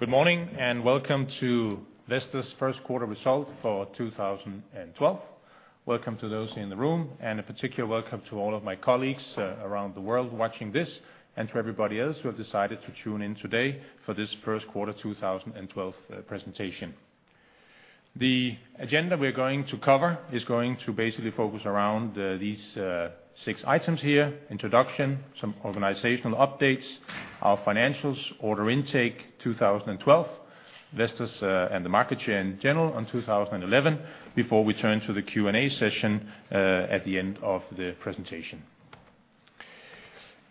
Good morning and welcome to Vestas' Q1 result for 2012. Welcome to those in the room, and a particular welcome to all of my colleagues, around the world watching this, and to everybody else who have decided to tune in today for this Q1 2012, presentation. The agenda we're going to cover is going to basically focus around these 6 items here: introduction, some organizational updates, our financials, order intake 2012, Vestas, and the market share in general on 2011, before we turn to the Q&A session, at the end of the presentation.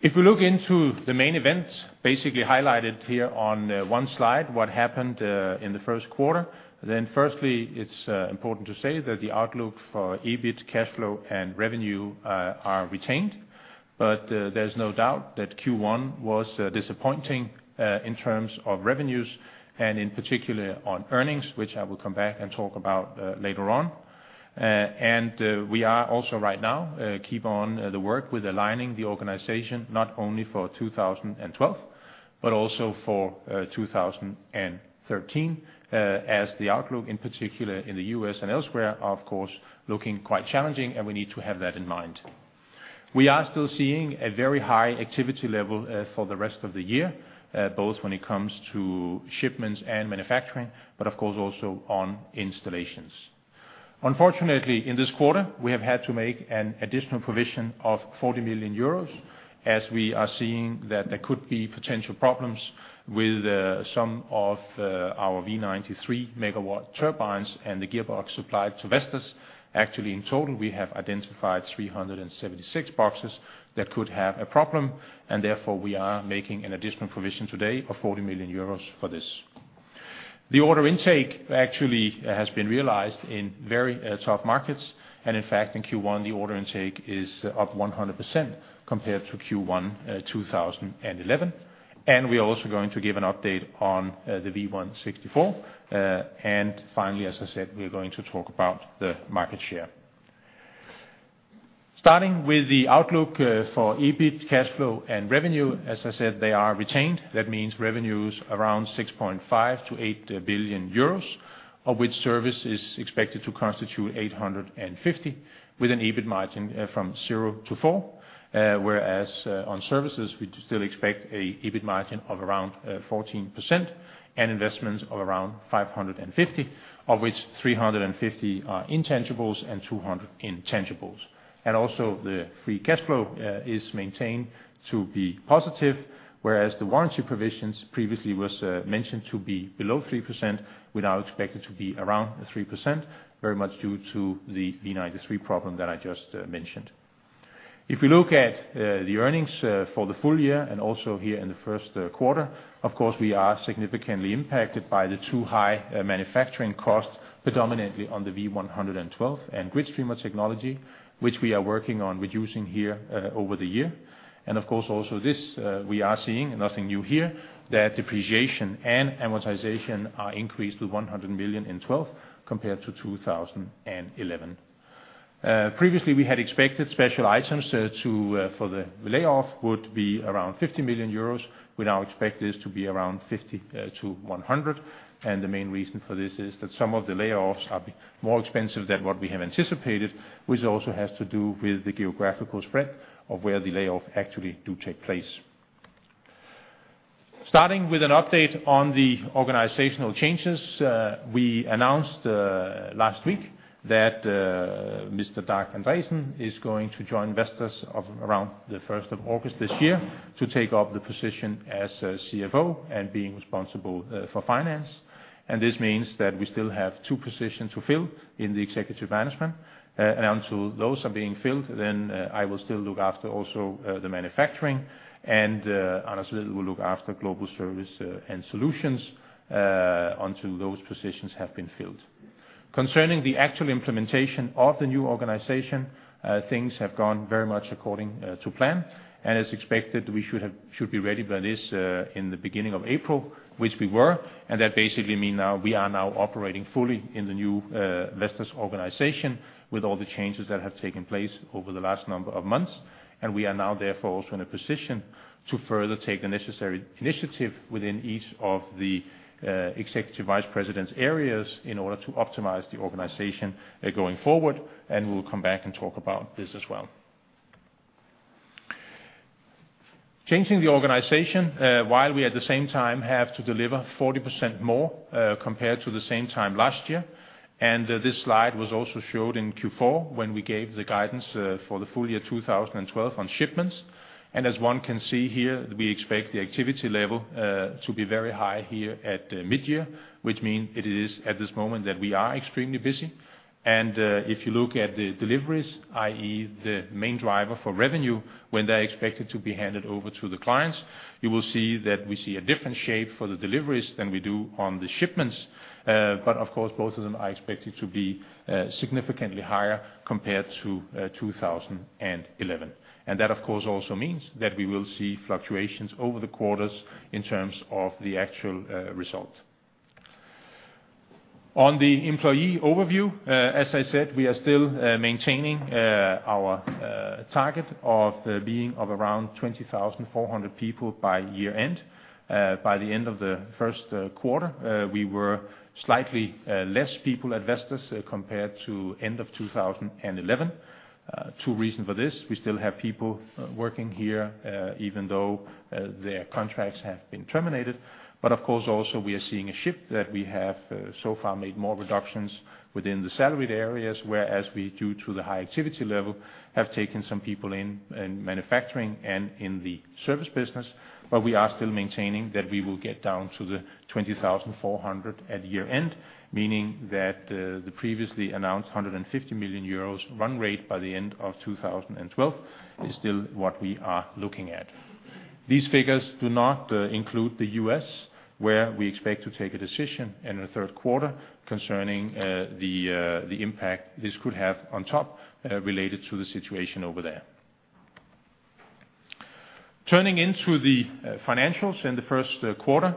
If we look into the main events, basically highlighted here on 1 slide, what happened in the Q1, then firstly, it's important to say that the outlook for EBIT, cash flow, and revenue, are retained. But there's no doubt that Q1 was disappointing in terms of revenues, and in particular on earnings, which I will come back and talk about later on. And we are also right now keeping on the work with aligning the organization not only for 2012 but also for 2013, as the outlook, in particular in the U.S. and elsewhere, of course, looking quite challenging, and we need to have that in mind. We are still seeing a very high activity level for the rest of the year, both when it comes to shipments and manufacturing, but of course also on installations. Unfortunately, in this quarter, we have had to make an additional provision of 40 million euros, as we are seeing that there could be potential problems with some of our V90-3.0 MW turbines and the gearbox supplied to Vestas. Actually, in total, we have identified 376 boxes that could have a problem, and therefore we are making an additional provision today of 40 million euros for this. The order intake actually has been realized in very tough markets, and in fact, in Q1 the order intake is up 100% compared to Q1 2011. And we are also going to give an update on the V164, and finally, as I said, we are going to talk about the market share. Starting with the outlook for EBIT, cash flow, and revenue, as I said, they are retained. That means revenues around 6.5 billion-8 billion euros, of which service is expected to constitute 850 million, with an EBIT margin from 0%-4%, whereas on services, we'd still expect an EBIT margin of around 14%, and investments of around 550 million, of which 350 million are tangibles and 200 million intangibles. Also, the free cash flow is maintained to be positive, whereas the warranty provisions previously was mentioned to be below 3%, but are expected to be around 3%, very much due to the V90 problem that I just mentioned. If we look at the earnings for the full year and also here in the Q1, of course we are significantly impacted by the too high manufacturing cost predominantly on the V112 and GridStreamer technology, which we are working on reducing here over the year. And of course also this, we are seeing, nothing new here, that depreciation and amortization are increased with 100 million in 2012 compared to 2011. Previously we had expected special items to for the layoff would be around 50 million euros. We now expect this to be around 50-100, and the main reason for this is that some of the layoffs are more expensive than what we have anticipated, which also has to do with the geographical spread of where the layoff actually do take place. Starting with an update on the organizational changes, we announced last week that Mr. Dag Andresen is going to join Vestas around the 1st of August this year to take up the position as CFO and being responsible for finance. This means that we still have two positions to fill in the executive management, and until those are being filled, then I will still look after also the manufacturing, and Anders Vedel will look after global service and solutions, until those positions have been filled. Concerning the actual implementation of the new organization, things have gone very much according to plan, and as expected we should be ready by the beginning of April, which we were, and that basically means now we are operating fully in the new Vestas organization with all the changes that have taken place over the last number of months, and we are now therefore also in a position to further take the necessary initiative within each of the executive vice president's areas in order to optimize the organization going forward, and we'll come back and talk about this as well. Changing the organization while at the same time we have to deliver 40% more compared to the same time last year, and this slide was also showed in Q4 when we gave the guidance for the full year 2012 on shipments. As one can see here, we expect the activity level to be very high here at mid-year, which means it is at this moment that we are extremely busy. If you look at the deliveries, i.e., the main driver for revenue, when they're expected to be handed over to the clients, you will see that we see a different shape for the deliveries than we do on the shipments, but of course both of them are expected to be significantly higher compared to 2011. And that of course also means that we will see fluctuations over the quarters in terms of the actual result. On the employee overview, as I said, we are still maintaining our target of being of around 20,400 people by year-end. By the end of the Q1, we were slightly less people at Vestas compared to end of 2011. Two reasons for this: we still have people working here, even though their contracts have been terminated. But of course also we are seeing a shift that we have so far made more reductions within the salaried areas, whereas we due to the high activity level have taken some people in in manufacturing and in the service business, but we are still maintaining that we will get down to the 20,400 at year-end, meaning that the previously announced 150 million euros run rate by the end of 2012 is still what we are looking at. These figures do not include the U.S., where we expect to take a decision in the Q3 concerning the impact this could have on top related to the situation over there. Turning to the financials in the Q1,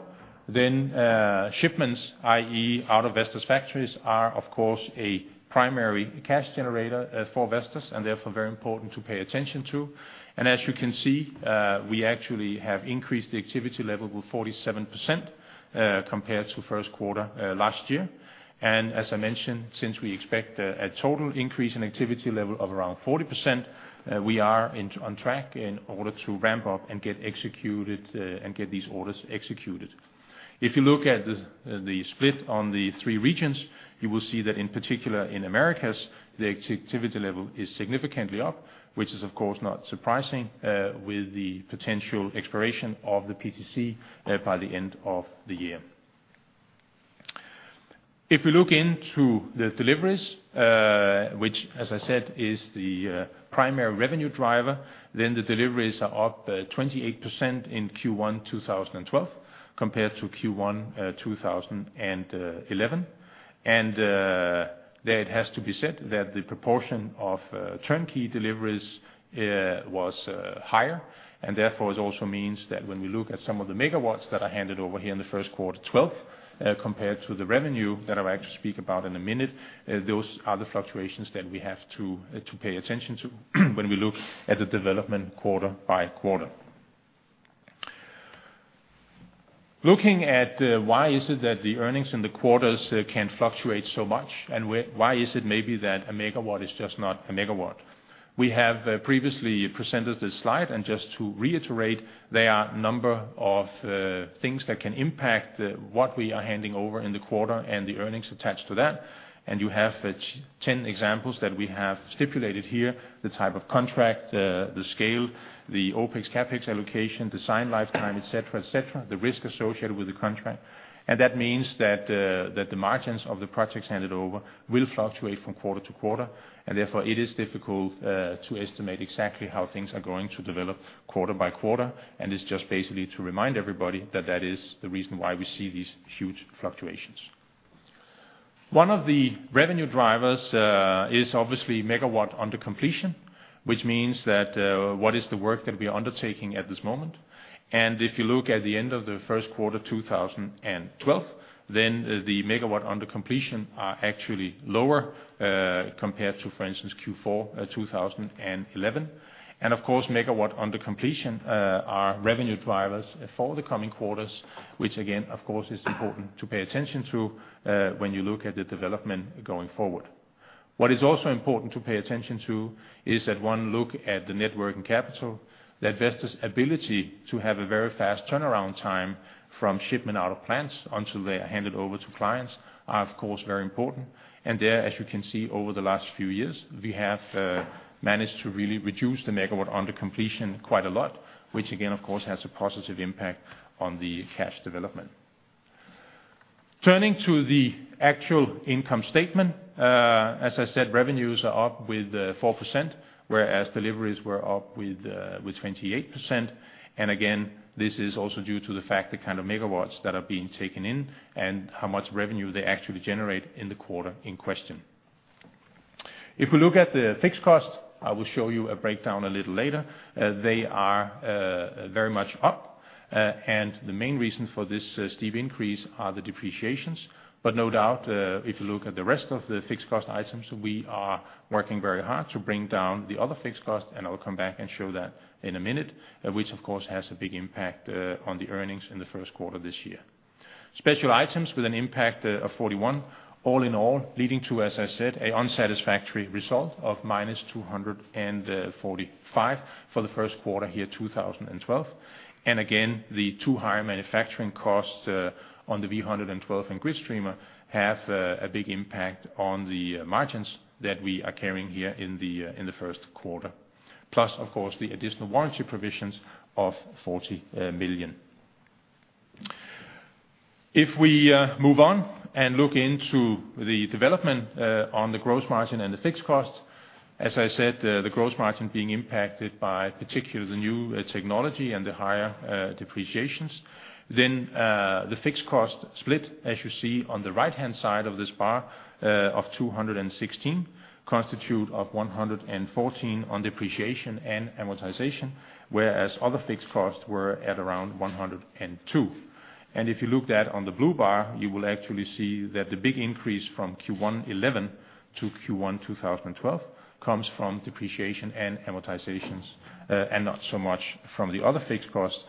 then shipments, i.e., out of Vestas factories, are of course a primary cash generator for Vestas and therefore very important to pay attention to. And as you can see, we actually have increased the activity level with 47%, compared to Q1 last year. And as I mentioned, since we expect a total increase in activity level of around 40%, we are on track in order to ramp up and get executed, and get these orders executed. If you look at the split on the three regions, you will see that in particular in Americas the activity level is significantly up, which is of course not surprising, with the potential expiration of the PTC by the end of the year. If we look into the deliveries, which as I said is the primary revenue driver, then the deliveries are up 28% in Q1 2012 compared to Q1 2011. And there it has to be said that the proportion of turnkey deliveries was higher, and therefore it also means that when we look at some of the megawatts that are handed over here in the Q1 2012, compared to the revenue that I will actually speak about in a minute, those are the fluctuations that we have to pay attention to when we look at the development quarter by quarter. Looking at why is it that the earnings in the quarters can fluctuate so much, and why is it maybe that a megawatt is just not a megawatt? We have previously presented this slide, and just to reiterate, there are a number of things that can impact what we are handing over in the quarter and the earnings attached to that. And you have 10 examples that we have stipulated here: the type of contract, the scale, the OpEx/CapEx allocation, design lifetime, etc., etc., the risk associated with the contract. And that means that that the margins of the projects handed over will fluctuate from quarter to quarter, and therefore it is difficult to estimate exactly how things are going to develop quarter by quarter, and it's just basically to remind everybody that that is the reason why we see these huge fluctuations. One of the revenue drivers is obviously megawatt under completion, which means that what is the work that we are undertaking at this moment. And if you look at the end of the Q1 2012, then, the megawatt under completion are actually lower, compared to, for instance, Q4, 2011. And of course megawatt under completion are revenue drivers for the coming quarters, which again, of course, is important to pay attention to, when you look at the development going forward. What is also important to pay attention to is that one look at the net working capital, that Vestas' ability to have a very fast turnaround time from shipment out of plants until they are handed over to clients are, of course, very important. And there, as you can see over the last few years, we have managed to really reduce the megawatt under completion quite a lot, which again, of course, has a positive impact on the cash development. Turning to the actual income statement, as I said, revenues are up with 4%, whereas deliveries were up with 28%. And again, this is also due to the fact the kind of megawatts that are being taken in and how much revenue they actually generate in the quarter in question. If we look at the fixed cost, I will show you a breakdown a little later, they are very much up, and the main reason for this steep increase are the depreciations. But no doubt, if you look at the rest of the fixed cost items, we are working very hard to bring down the other fixed cost, and I'll come back and show that in a minute, which of course has a big impact on the earnings in the Q1 this year. Special items with an impact of 41 million, all in all leading to, as I said, an unsatisfactory result of -245 million for the Q1 here 2012. And again, the too high manufacturing cost on the V112 and GridStreamer have a big impact on the margins that we are carrying here in the Q1, plus of course the additional warranty provisions of 40 million. If we move on and look into the development on the gross margin and the fixed cost, as I said, the gross margin being impacted by particularly the new technology and the higher depreciations, then the fixed cost split, as you see on the right-hand side of this bar, of 216 million, constituted of 114 million on depreciation and amortization, whereas other fixed costs were at around 102 million. If you look at that on the blue bar, you will actually see that the big increase from Q1 2011 to Q1 2012 comes from depreciation and amortizations, and not so much from the other fixed costs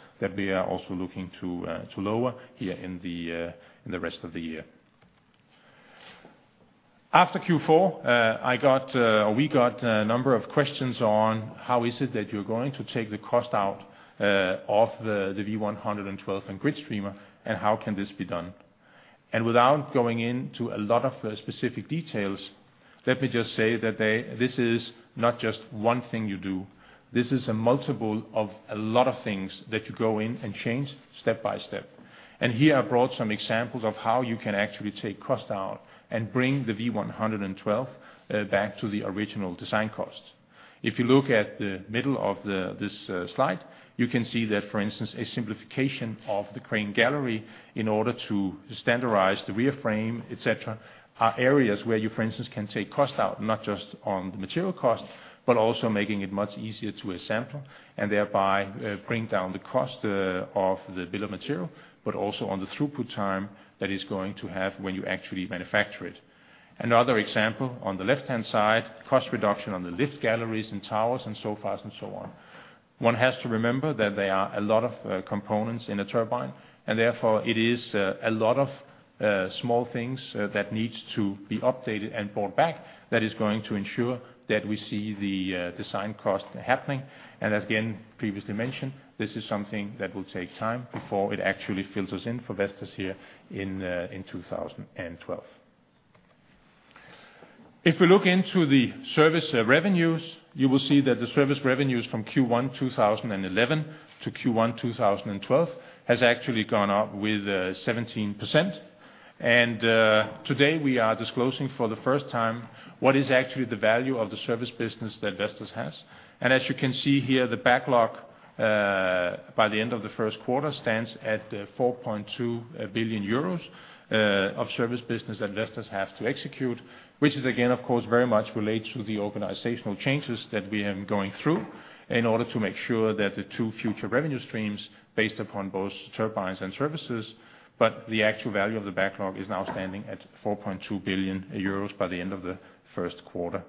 This is a multiple of a lot of things that you go in and change step by step. And here I brought some examples of how you can actually take cost out and bring the V112 back to the original design cost. If you look at the middle of this slide, you can see that, for instance, a simplification of the crane gallery in order to standardize the rear frame, etc., are areas where you, for instance, can take cost out not just on the material cost, but also making it much easier to assemble and thereby bring down the cost of the bill of material, but also on the throughput time that it's going to have when you actually manufacture it. Another example on the left-hand side, cost reduction on the lift galleries and towers and so forth and so on. One has to remember that there are a lot of components in a turbine, and therefore it is a lot of small things that needs to be updated and brought back that is going to ensure that we see the design cost happening. As again, previously mentioned, this is something that will take time before it actually filters in for Vestas here in 2012. If we look into the service revenues, you will see that the service revenues from Q1 2011 to Q1 2012 has actually gone up with 17%. Today we are disclosing for the first time what is actually the value of the service business that Vestas has. As you can see here, the backlog, by the end of the Q1 stands at 4.2 billion euros of service business that Vestas has to execute, which is again, of course, very much related to the organizational changes that we are going through in order to make sure that the two future revenue streams based upon both turbines and services, but the actual value of the backlog is now standing at 4.2 billion euros by the end of the Q1.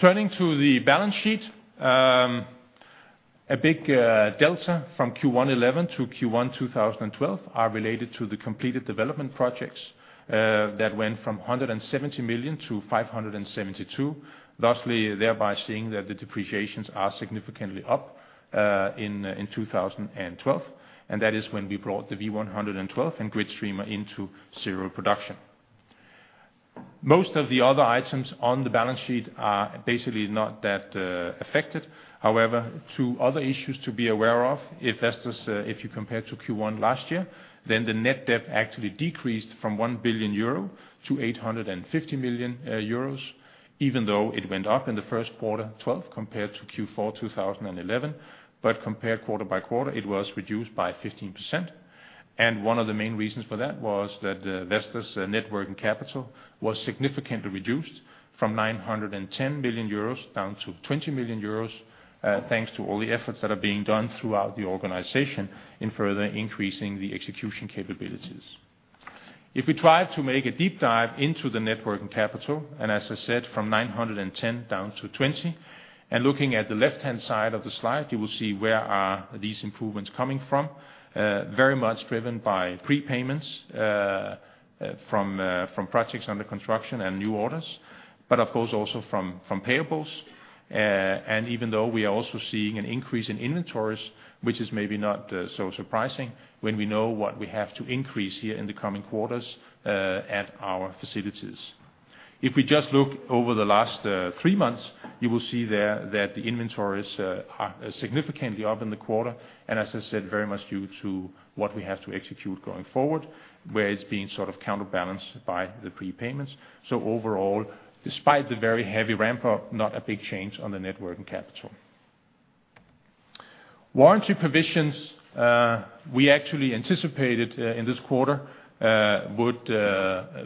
Turning to the balance sheet, a big delta from Q1 2011 to Q1 2012 are related to the completed development projects, that went from 170 million to 572 million, thusly thereby seeing that the depreciations are significantly up, in, in 2012. And that is when we brought the V112 and GridStreamer into serial production. Most of the other items on the balance sheet are basically not that affected. However, two other issues to be aware of, if Vestas, if you compare to Q1 last year, then the net debt actually decreased from 1 billion euro to 850 million euros, even though it went up in the Q1 2012 compared to Q4 2011. But compared quarter by quarter, it was reduced by 15%. And one of the main reasons for that was that, vestas' net working capital was significantly reduced from 910 million euros down to 20 million euros, thanks to all the efforts that are being done throughout the organization in further increasing the execution capabilities. If we try to make a deep dive into the net working capital, and as I said, from 910 million down to 20 million, and looking at the left-hand side of the slide, you will see where are these improvements coming from, very much driven by prepayments from projects under construction and new orders, but of course also from payables. Even though we are also seeing an increase in inventories, which is maybe not so surprising when we know what we have to increase here in the coming quarters, at our facilities. If we just look over the last three months, you will see there that the inventories are significantly up in the quarter, and as I said, very much due to what we have to execute going forward, where it's being sort of counterbalanced by the prepayments. So overall, despite the very heavy ramp-up, not a big change on the net working capital. Warranty provisions, we actually anticipated, in this quarter, would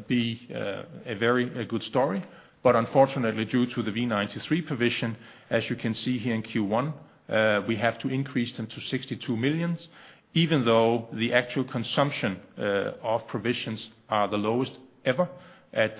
be a very good story. But unfortunately, due to the V90-3.0 MW provision, as you can see here in Q1, we have to increase them to 62 million, even though the actual consumption of provisions are the lowest ever at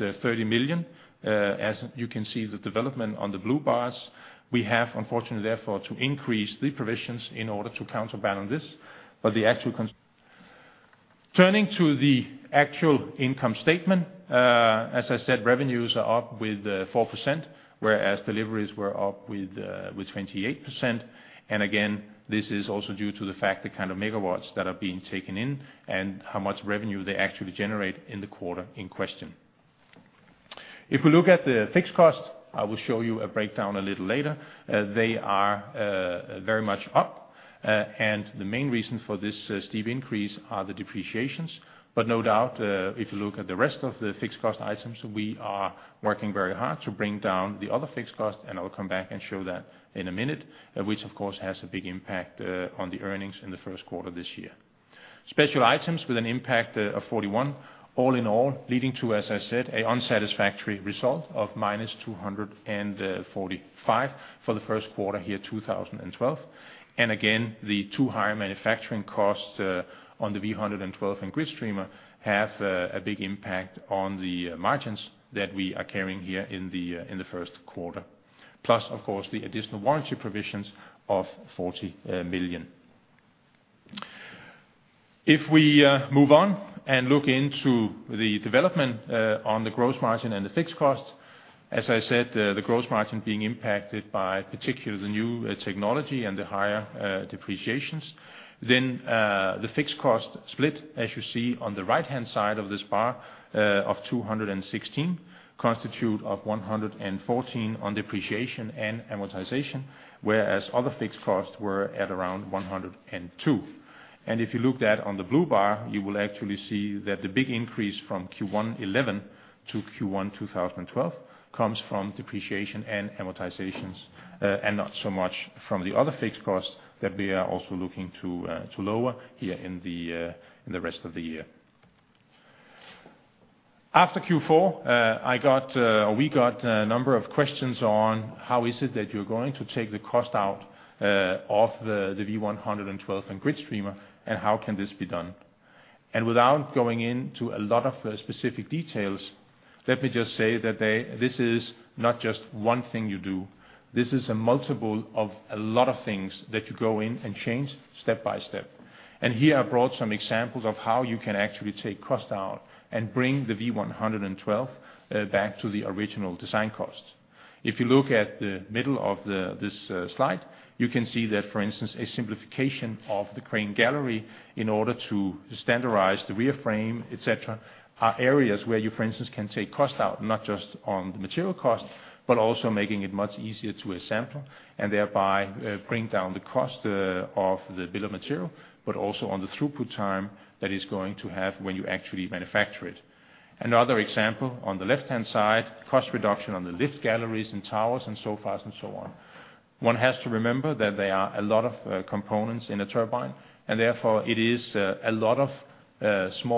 EUR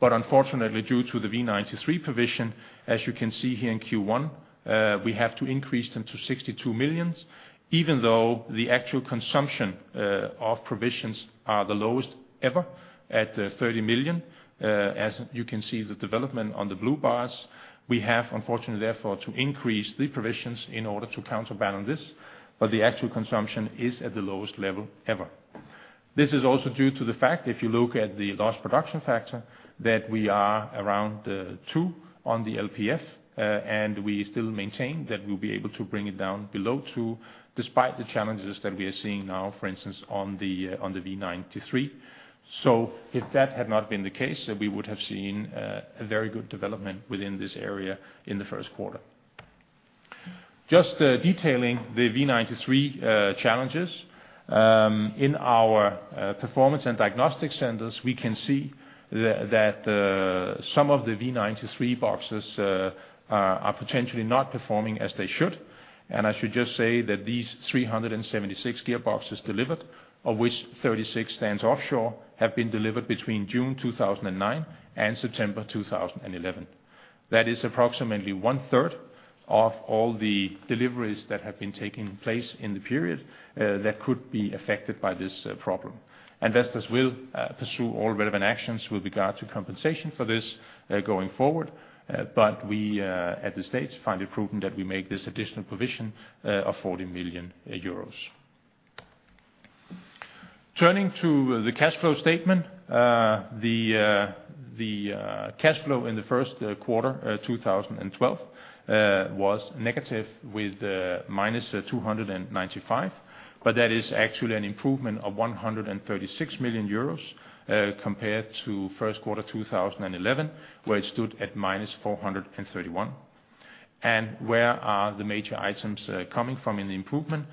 30 million. As you can see the development on the blue bars, we have unfortunately therefore to increase the provisions in order to counterbalance this, but the actual consumption is at the lowest level ever. This is also due to the fact, if you look at the lost production factor, that we are around 2 on the LPF, and we still maintain that we'll be able to bring it down below 2 despite the challenges that we are seeing now, for instance, on the V90-3.0 MW. If that had not been the case, we would have seen a very good development within this area in the Q1. Just detailing the V90 challenges in our performance and diagnostic centers, we can see that some of the V90 boxes are potentially not performing as they should. I should just say that these 376 gearboxes delivered, of which 36 stands offshore, have been delivered between June 2009 and September 2011. That is approximately one-third of all the deliveries that have been taking place in the period that could be affected by this problem. Vestas will pursue all relevant actions with regard to compensation for this going forward, but we at this stage find it proven that we make this additional provision of 40 million euros. Turning to the cash flow statement, the cash flow in the Q1 2012 was negative with -295, but that is actually an improvement of 136 million euros, compared to Q1 2011, where it stood at -431. Where are the major items coming from in the improvement?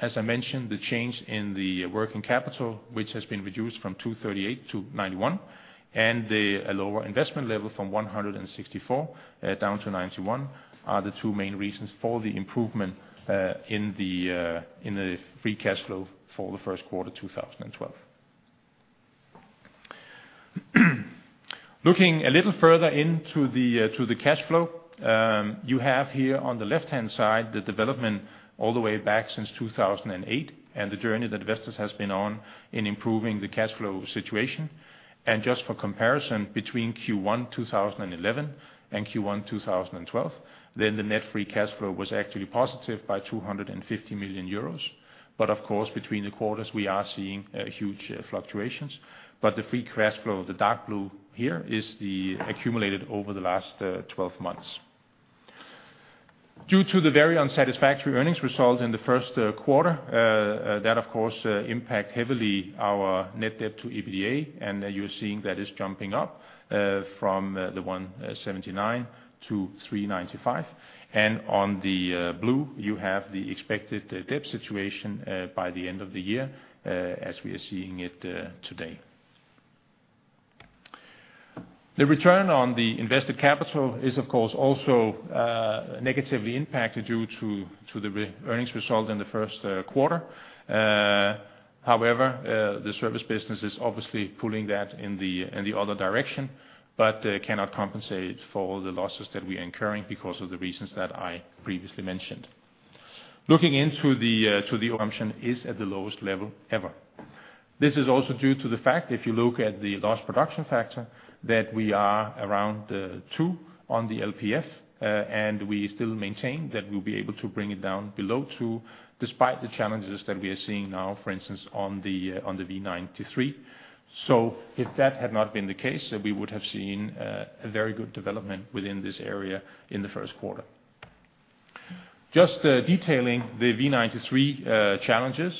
As I mentioned, the change in the working capital, which has been reduced from 238 to 91, and the lower investment level from 164 down to 91 are the two main reasons for the improvement in the free cash flow for the Q1 2012. Looking a little further into the cash flow, you have here on the left-hand side the development all the way back since 2008 and the journey that Vestas has been on in improving the cash flow situation. Just for comparison between Q1 2011 and Q1 2012, then the net free cash flow was actually positive by 250 million euros. Of course, between the quarters, we are seeing huge fluctuations. The free cash flow, the dark blue here, is the accumulated over the last 12 months. Due to the very unsatisfactory earnings result in the Q1, that of course impact heavily our net debt to EBITDA, and you're seeing that is jumping up from the 179 to 395. On the blue, you have the expected debt situation by the end of the year as we are seeing it today. The return on the invested capital is of course also negatively impacted due to the earnings result in the Q1. However, the service business is obviously pulling that in the other direction, but cannot compensate for all the losses that we are incurring because of the reasons that I previously mentioned. Looking into the consumption is at the lowest level ever. This is also due to the fact, if you look at the lost production factor, that we are around two on the LPF, and we still maintain that we'll be able to bring it down below two despite the challenges that we are seeing now, for instance, on the V90-3.0 MW. So if that had not been the case, we would have seen a very good development within this area in the Q1. Just detailing the V90-3.0 MW challenges,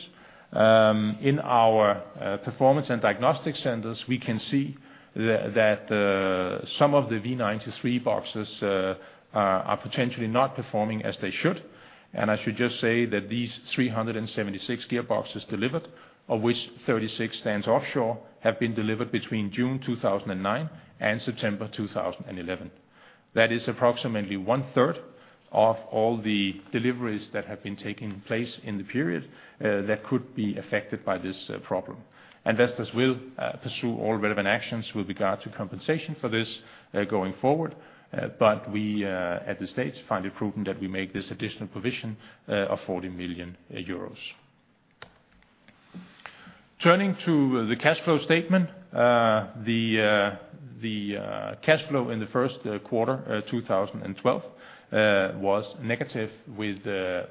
in our performance and diagnostic centers, we can see that some of the V90-3.0 MW gearboxes are potentially not performing as they should. I should just say that these 376 gearboxes delivered, of which 36 stands offshore, have been delivered between June 2009 and September 2011. That is approximately one-third of all the deliveries that have been taking place in the period that could be affected by this problem. And Vestas will pursue all relevant actions with regard to compensation for this going forward, but we at this stage find it proven that we make this additional provision of 40 million euros. Turning to the cash flow statement, the cash flow in the Q1 2012 was negative with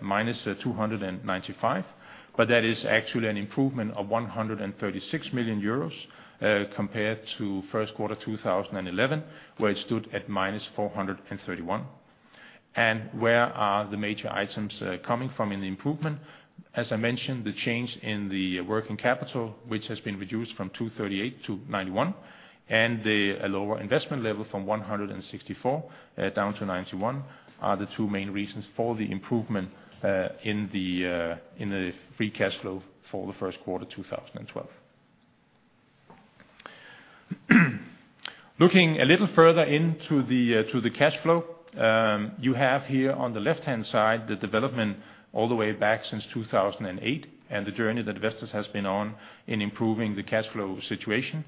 minus 295 million, but that is actually an improvement of 136 million euros compared to Q1 2011, where it stood at minus 431 million. And where are the major items coming from in the improvement? As I mentioned, the change in the working capital, which has been reduced from 238 to 91, and the lower investment level from 164 down to 91, are the two main reasons for the improvement in the free cash flow for the Q1 2012. Looking a little further into the cash flow, you have here on the left-hand side the development all the way back since 2008 and the journey that Vestas has been on in improving the cash flow situation.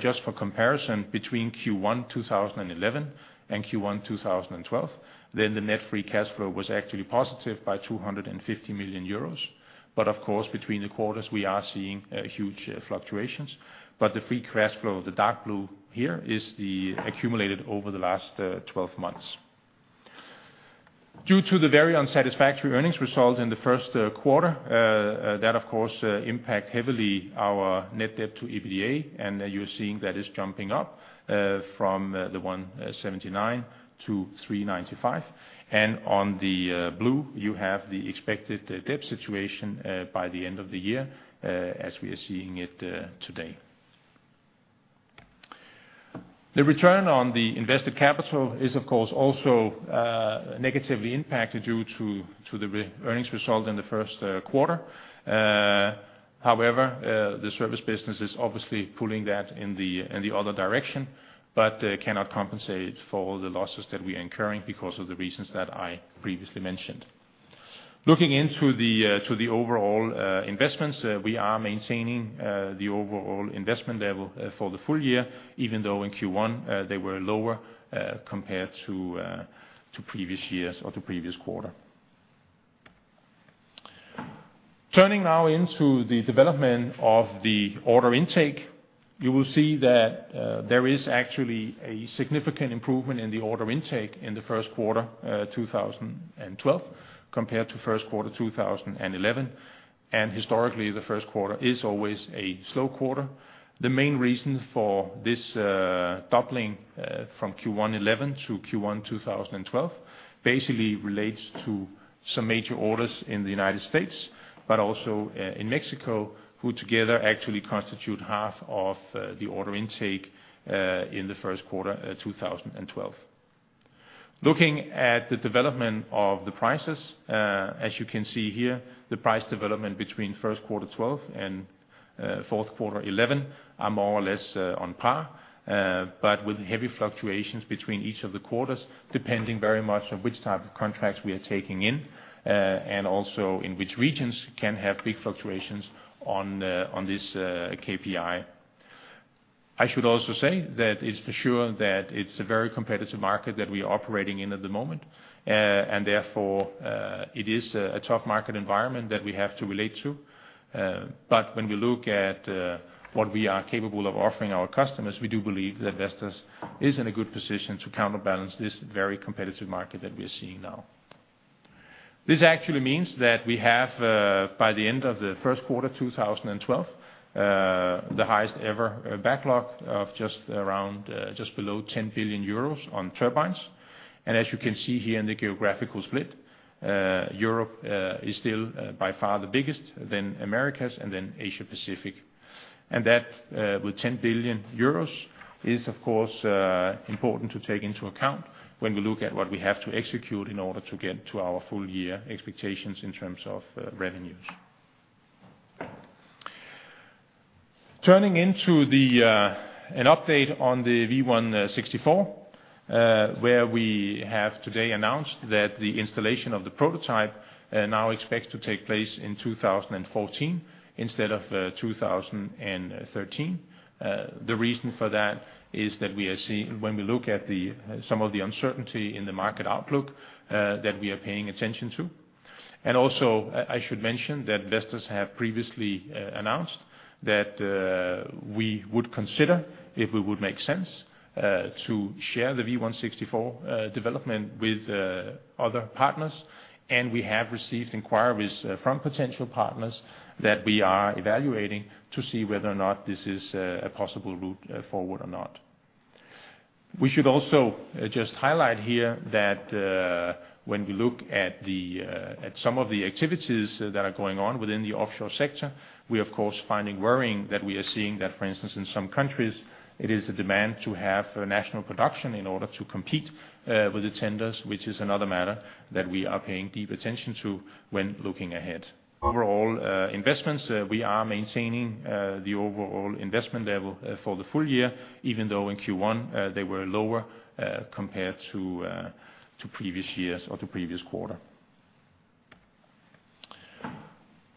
Just for comparison between Q1 2011 and Q1 2012, then the net free cash flow was actually positive by 250 million euros. But of course, between the quarters, we are seeing huge fluctuations. But the free cash flow, the dark blue here, is the accumulated over the last 12 months. Due to the very unsatisfactory earnings result in the Q1, that of course impacts heavily our net debt to EBITDA, and you're seeing that is jumping up from the 179 to 395. And on the blue you have the expected debt situation by the end of the year, as we are seeing it today. The return on the invested capital is, of course, also negatively impacted due to the poor earnings result in the Q1. However, the service business is obviously pulling that in the other direction, but cannot compensate for all the losses that we are incurring because of the reasons that I previously mentioned. Looking into the overall investments, we are maintaining the overall investment level for the full year, even though in Q1 they were lower compared to previous years or to previous quarter. Turning now into the development of the order intake, you will see that there is actually a significant improvement in the order intake in the Q1 2012 compared to Q1 2011. Historically, the Q1 is always a slow quarter. The main reason for this doubling from Q1 2011 to Q1 2012 basically relates to some major orders in the United States, but also in Mexico, who together actually constitute half of the order intake in the Q1 2012. Looking at the development of the prices, as you can see here, the price development between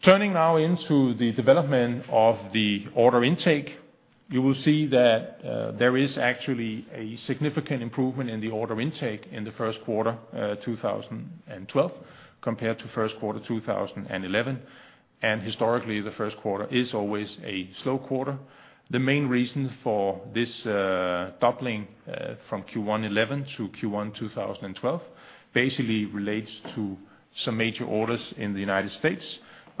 Q1 2012 and Q4 2011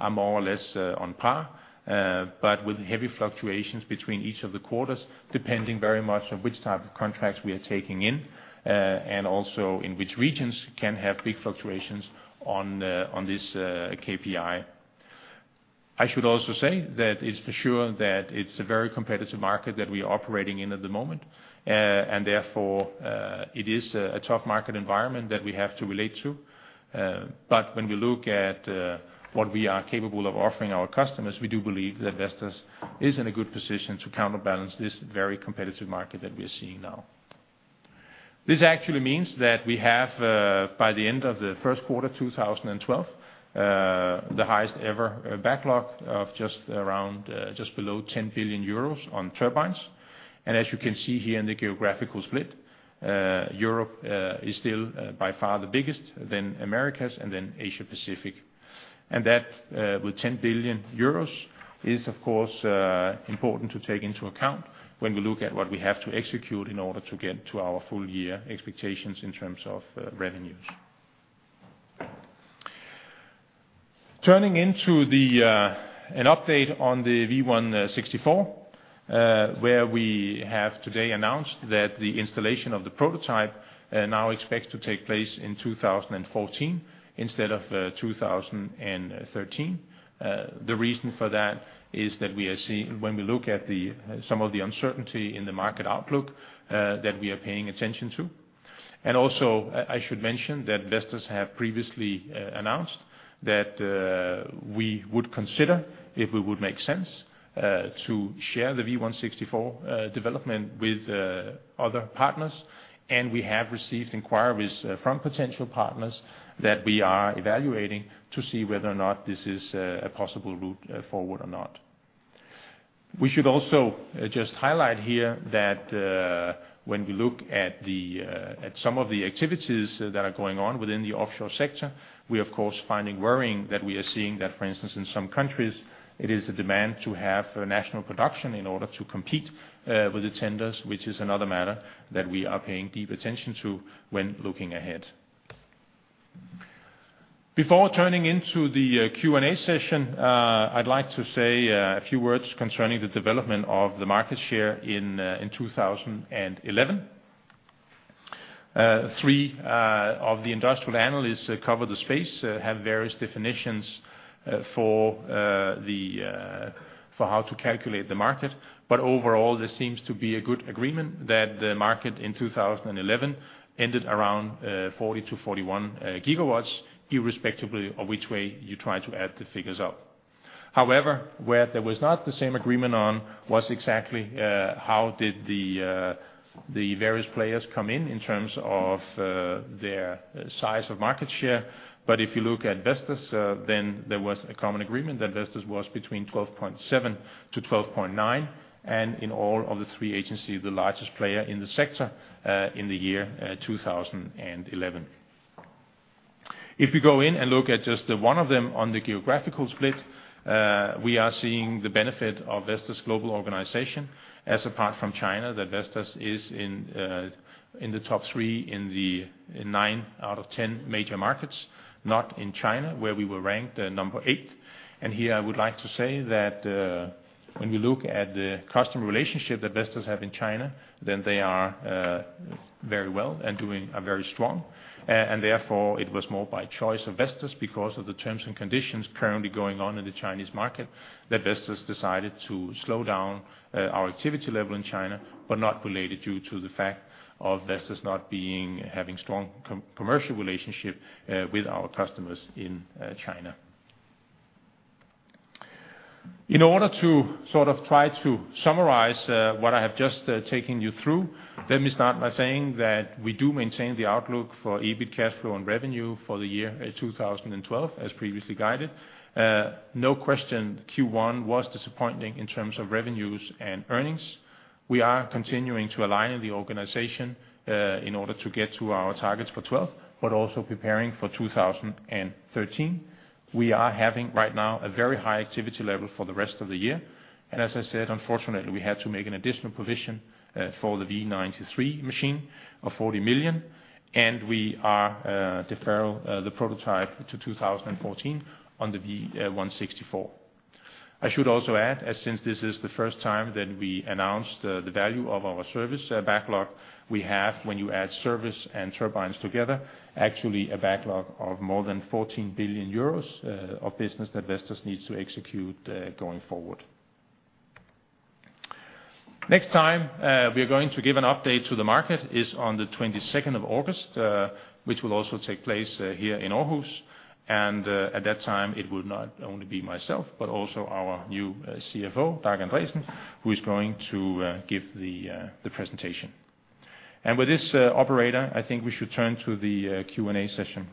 are more or less on par, but with heavy fluctuations between each of the quarters, depending very much on which type of contracts we are taking in, and also in which regions can have big fluctuations on this KPI. I should also say that it's for sure that it's a very competitive market that we are operating in at the moment, and therefore, it is a tough market environment that we have to relate to. But when we look at what we are capable of offering our customers, we do believe that Vestas is in a good position to counterbalance this very competitive market that we are seeing now. This actually means that we have, by the end of the Q1 2012, the highest ever backlog of just around, just below 10 billion euros on turbines. And as you can see here in the geographical split, Europe is still, by far the biggest than Americas and then Asia-Pacific. That, with 10 billion euros, is, of course, important to take into account when we look at what we have to execute in order to get to our full year expectations in terms of revenues. Turning to an update on the V164, where we have today announced that the installation of the prototype now expects to take place in 2014 instead of 2013. The reason for that is that we are seeing when we look at some of the uncertainty in the market outlook that we are paying attention to. Also, I should mention that Vestas have previously announced that we would consider, if it would make sense, to share the V164 development with other partners. for how to calculate the market. But overall, there seems to be a good agreement that the market in 2011 ended around 40-41 GW, irrespective of which way you try to add the figures up. However, where there was not the same agreement on was exactly how the various players came in in terms of their size of market share. But if you look at Vestas, then there was a common agreement that Vestas was between 12.7-12.9, and in all of the three agencies, the largest player in the sector, in the year 2011. If we go in and look at just one of them on the geographical split, we are seeing the benefit of Vestas global organization. As, apart from China, Vestas is in the top three in the nine out of ten major markets, not in China, where we were ranked number eight. And here, I would like to say that, when we look at the customer relationship that Vestas have in China, then they are very well and doing very strong. Therefore, it was more by choice of Vestas because of the terms and conditions currently going on in the Chinese market that Vestas decided to slow down our activity level in China, but not related due to the fact of Vestas not having strong commercial relationship with our customers in China. In order to sort of try to summarize what I have just taken you through, let me start by saying that we do maintain the outlook for EBIT cash flow and revenue for the year 2012 as previously guided. No question, Q1 was disappointing in terms of revenues and earnings. We are continuing to align in the organization in order to get to our targets for 2012, but also preparing for 2013. We are having right now a very high activity level for the rest of the year. As I said, unfortunately, we had to make an additional provision for the V90-3.0 MW machine of 40 million, and we are deferring the prototype to 2014 on the V164-8.0 MW. I should also add, since this is the first time that we announced the value of our service backlog, we have, when you add service and turbines together, actually a backlog of more than 14 billion euros of business that Vestas needs to execute going forward. Next time, we are going to give an update to the market is on the 22nd of August, which will also take place here in Aarhus. And at that time, it would not only be myself but also our new CFO, Dag Andresen, who is going to give the presentation. And with this, operator, I think we should turn to the Q&A session.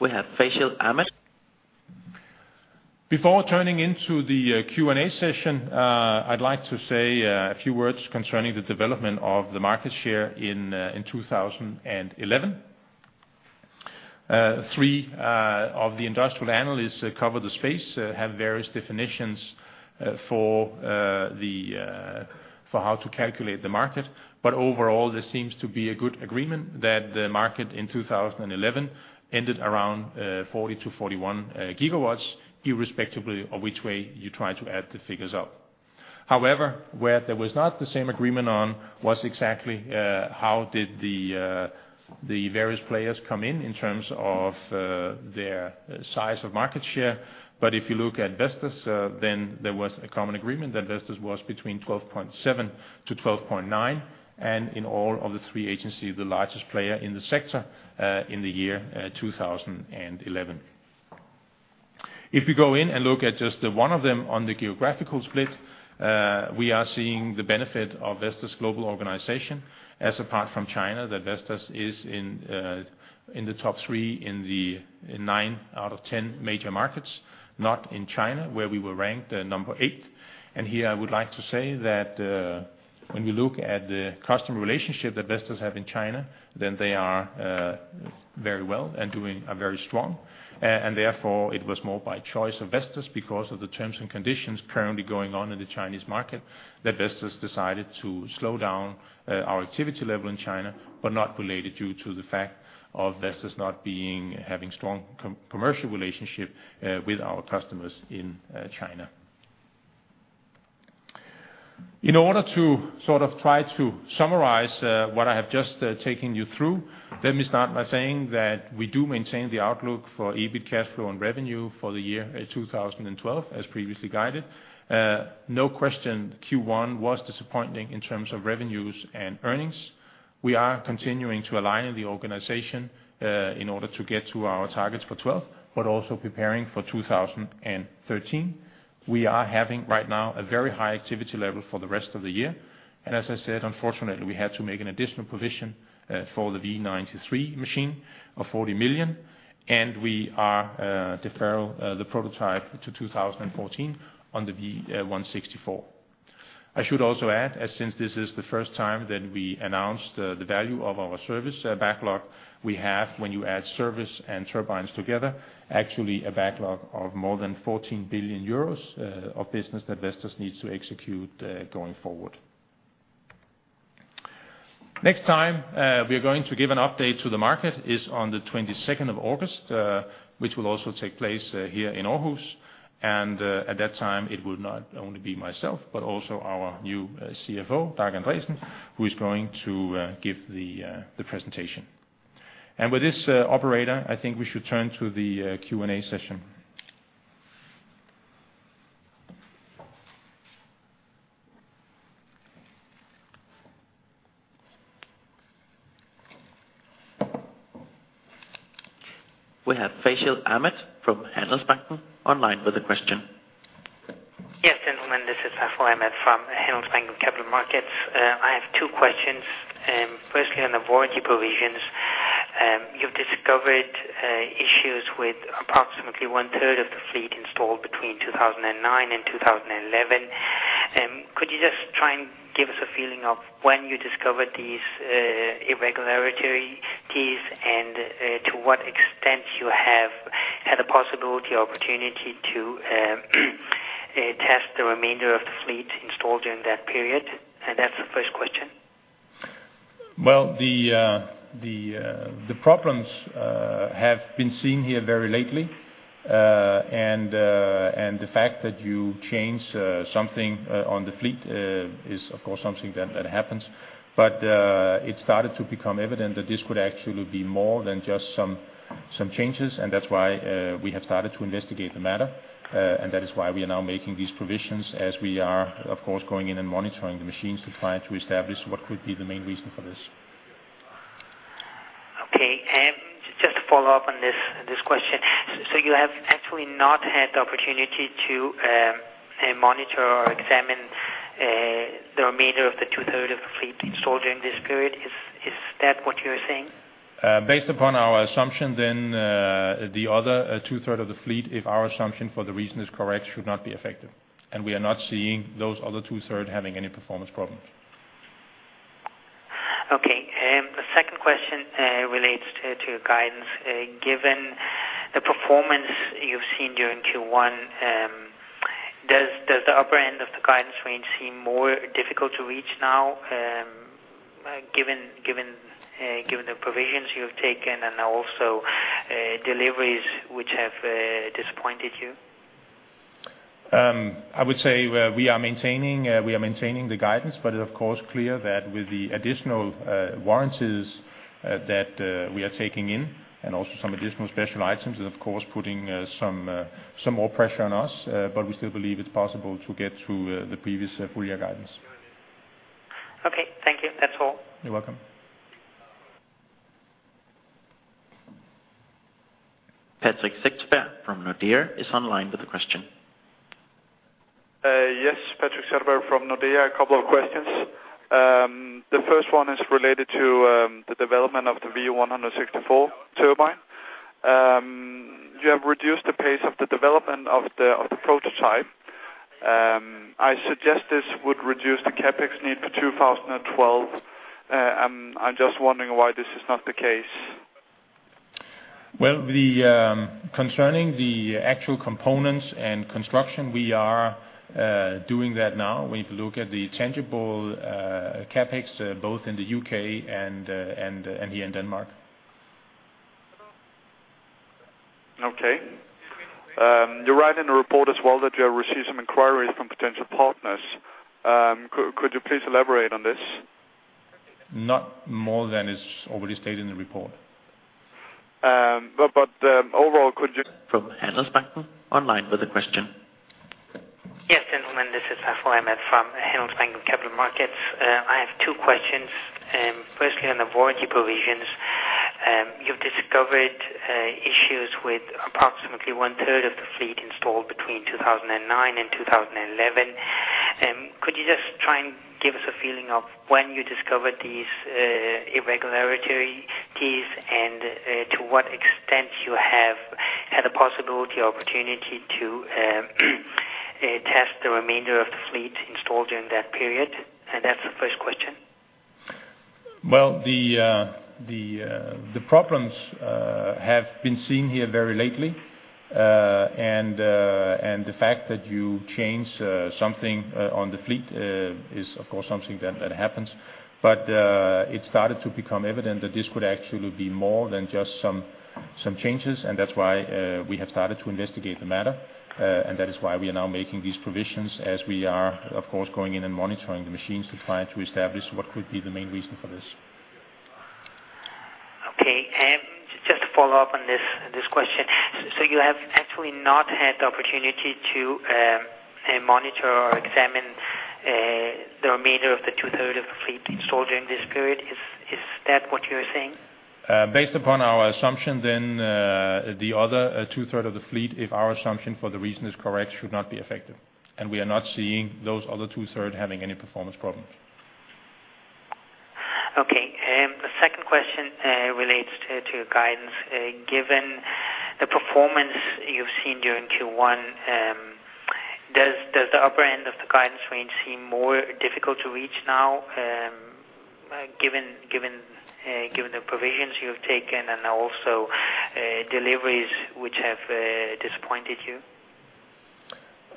We have Faisal Ahmad. Before turning to the Q&A session, I'd like to say a few words concerning the development of the market share in 2011. 3 of the industrial analysts cover the space have various definitions for how to calculate the market. But overall, there seems to be a good agreement that the market in 2011 ended around 40-41 GW, irrespective of which way you try to add the figures up. However, where there was not the same agreement on was exactly how the various players come in in terms of their size of market share. But if you look at Vestas, then there was a common agreement that Vestas was between 12.7-12.9, and in all of the 3 agencies, the largest player in the sector in the year 2011. If we go in and look at just one of them on the geographical split, we are seeing the benefit of Vestas global organization. As apart from China, that Vestas is in the top three in nine out of ten major markets, not in China, where we were ranked number eight. And here, I would like to say that, when we look at the customer relationship that Vestas have in China, then they are very well and doing very strong. And therefore, it was more by choice of Vestas because of the terms and conditions currently going on in the Chinese market that Vestas decided to slow down our activity level in China, but not related due to the fact of Vestas not having strong commercial relationship with our customers in China. In order to sort of try to summarize what I have just taken you through, let me start by saying that we do maintain the outlook for EBIT cash flow and revenue for the year 2012 as previously guided. No question, Q1 was disappointing in terms of revenues and earnings. We are continuing to align in the organization in order to get to our targets for 2012, but also preparing for 2013. We are having right now a very high activity level for the rest of the year. And as I said, unfortunately, we had to make an additional provision for the V90-3.0 MW machine of 40 million, and we are deferring the prototype to 2014 on the V164-8.0 MW. I should also add, as this is the first time that we announced the value of our service backlog, we have, when you add service and turbines together, actually a backlog of more than 14 billion euros of business that Vestas needs to execute going forward. Next time, we are going to give an update to the market is on the 22nd of August, which will also take place here in Aarhus. And at that time, it would not only be myself but also our new CFO, Dag Andresen, who is going to give the presentation. And with this, operator, I think we should turn to the Q&A session. We have Faisal Ahmad from Handelsbanken online with a question. Yes, gentlemen. This is Faisal Ahmad from Handelsbanken Capital Markets. I have two questions. Firstly, on the warranty provisions, you've discovered issues with approximately one-third of the fleet installed between 2009 and 2011. Could you just try and give us a feeling of when you discovered these irregularities and to what extent you have had the possibility, opportunity to test the remainder of the fleet installed during that period? And that's the first question. Well, the problems have been seen here very lately. And the fact that you change something on the fleet is, of course, something that happens. But it started to become evident that this could actually be more than just some changes, and that's why we have started to investigate the matter. That is why we are now making these provisions as we are, of course, going in and monitoring the machines to try to establish what could be the main reason for this. Okay. Just to follow up on this question, so you have actually not had the opportunity to monitor or examine the remainder of the two-thirds of the fleet installed during this period. Is that what you're saying? Based upon our assumption, then, the other two-thirds of the fleet, if our assumption for the reason is correct, should not be affected. And we are not seeing those other two-thirds having any performance problems. Okay. The second question relates to guidance. Given the performance you've seen during Q1, does the upper end of the guidance range seem more difficult to reach now, given the provisions you've taken and now also deliveries which have disappointed you?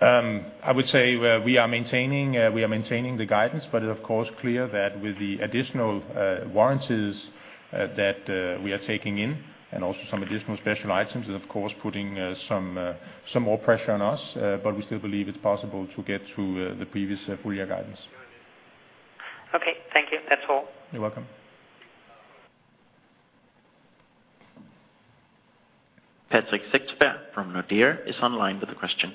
I would say, we are maintaining, we are maintaining the guidance, but it is, of course, clear that with the additional warranties that we are taking in and also some additional special items, it is, of course, putting some more pressure on us. But we still believe it's possible to get to the previous full-year guidance. Okay. Thank you. That's all. You're welcome. Patrik Setterberg from Nordea is online with a question.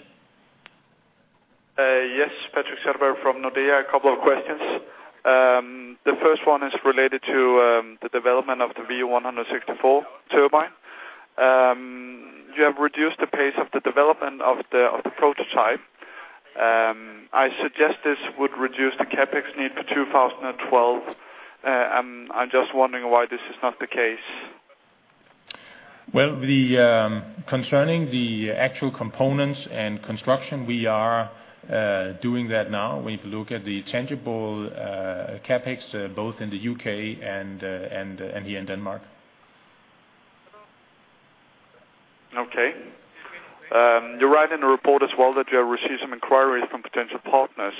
Yes. Patrik Setterberg from Nordea. A couple of questions. The first one is related to the development of the V164 turbine. You have reduced the pace of the development of the prototype. I suggest this would reduce the CapEx need for 2012. I'm just wondering why this is not the case. Well, the concerning the actual components and construction, we are doing that now when you look at the tangible CapEx, both in the UK and here in Denmark. Okay. You're writing a report as well that you have received some inquiries from potential partners.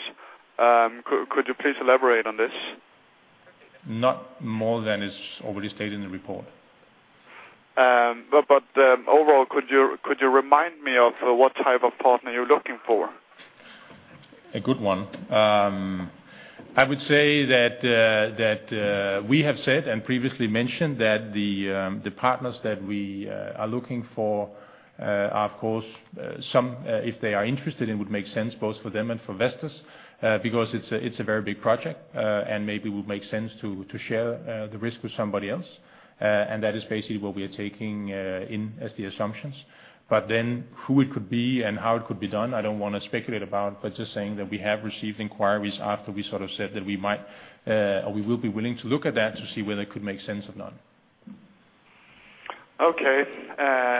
Could you please elaborate on this? Not more than is already stated in the report. But overall, could you remind me of what type of partner you're looking for? A good one. I would say that we have said and previously mentioned that the partners that we are looking for are, of course, some if they are interested, it would make sense both for them and for Vestas, because it's a very big project, and maybe it would make sense to share the risk with somebody else. And that is basically what we are taking in as the assumptions. But then who it could be and how it could be done, I don't want to speculate about, but just saying that we have received inquiries after we sort of said that we might or we will be willing to look at that to see whether it could make sense or not. Okay.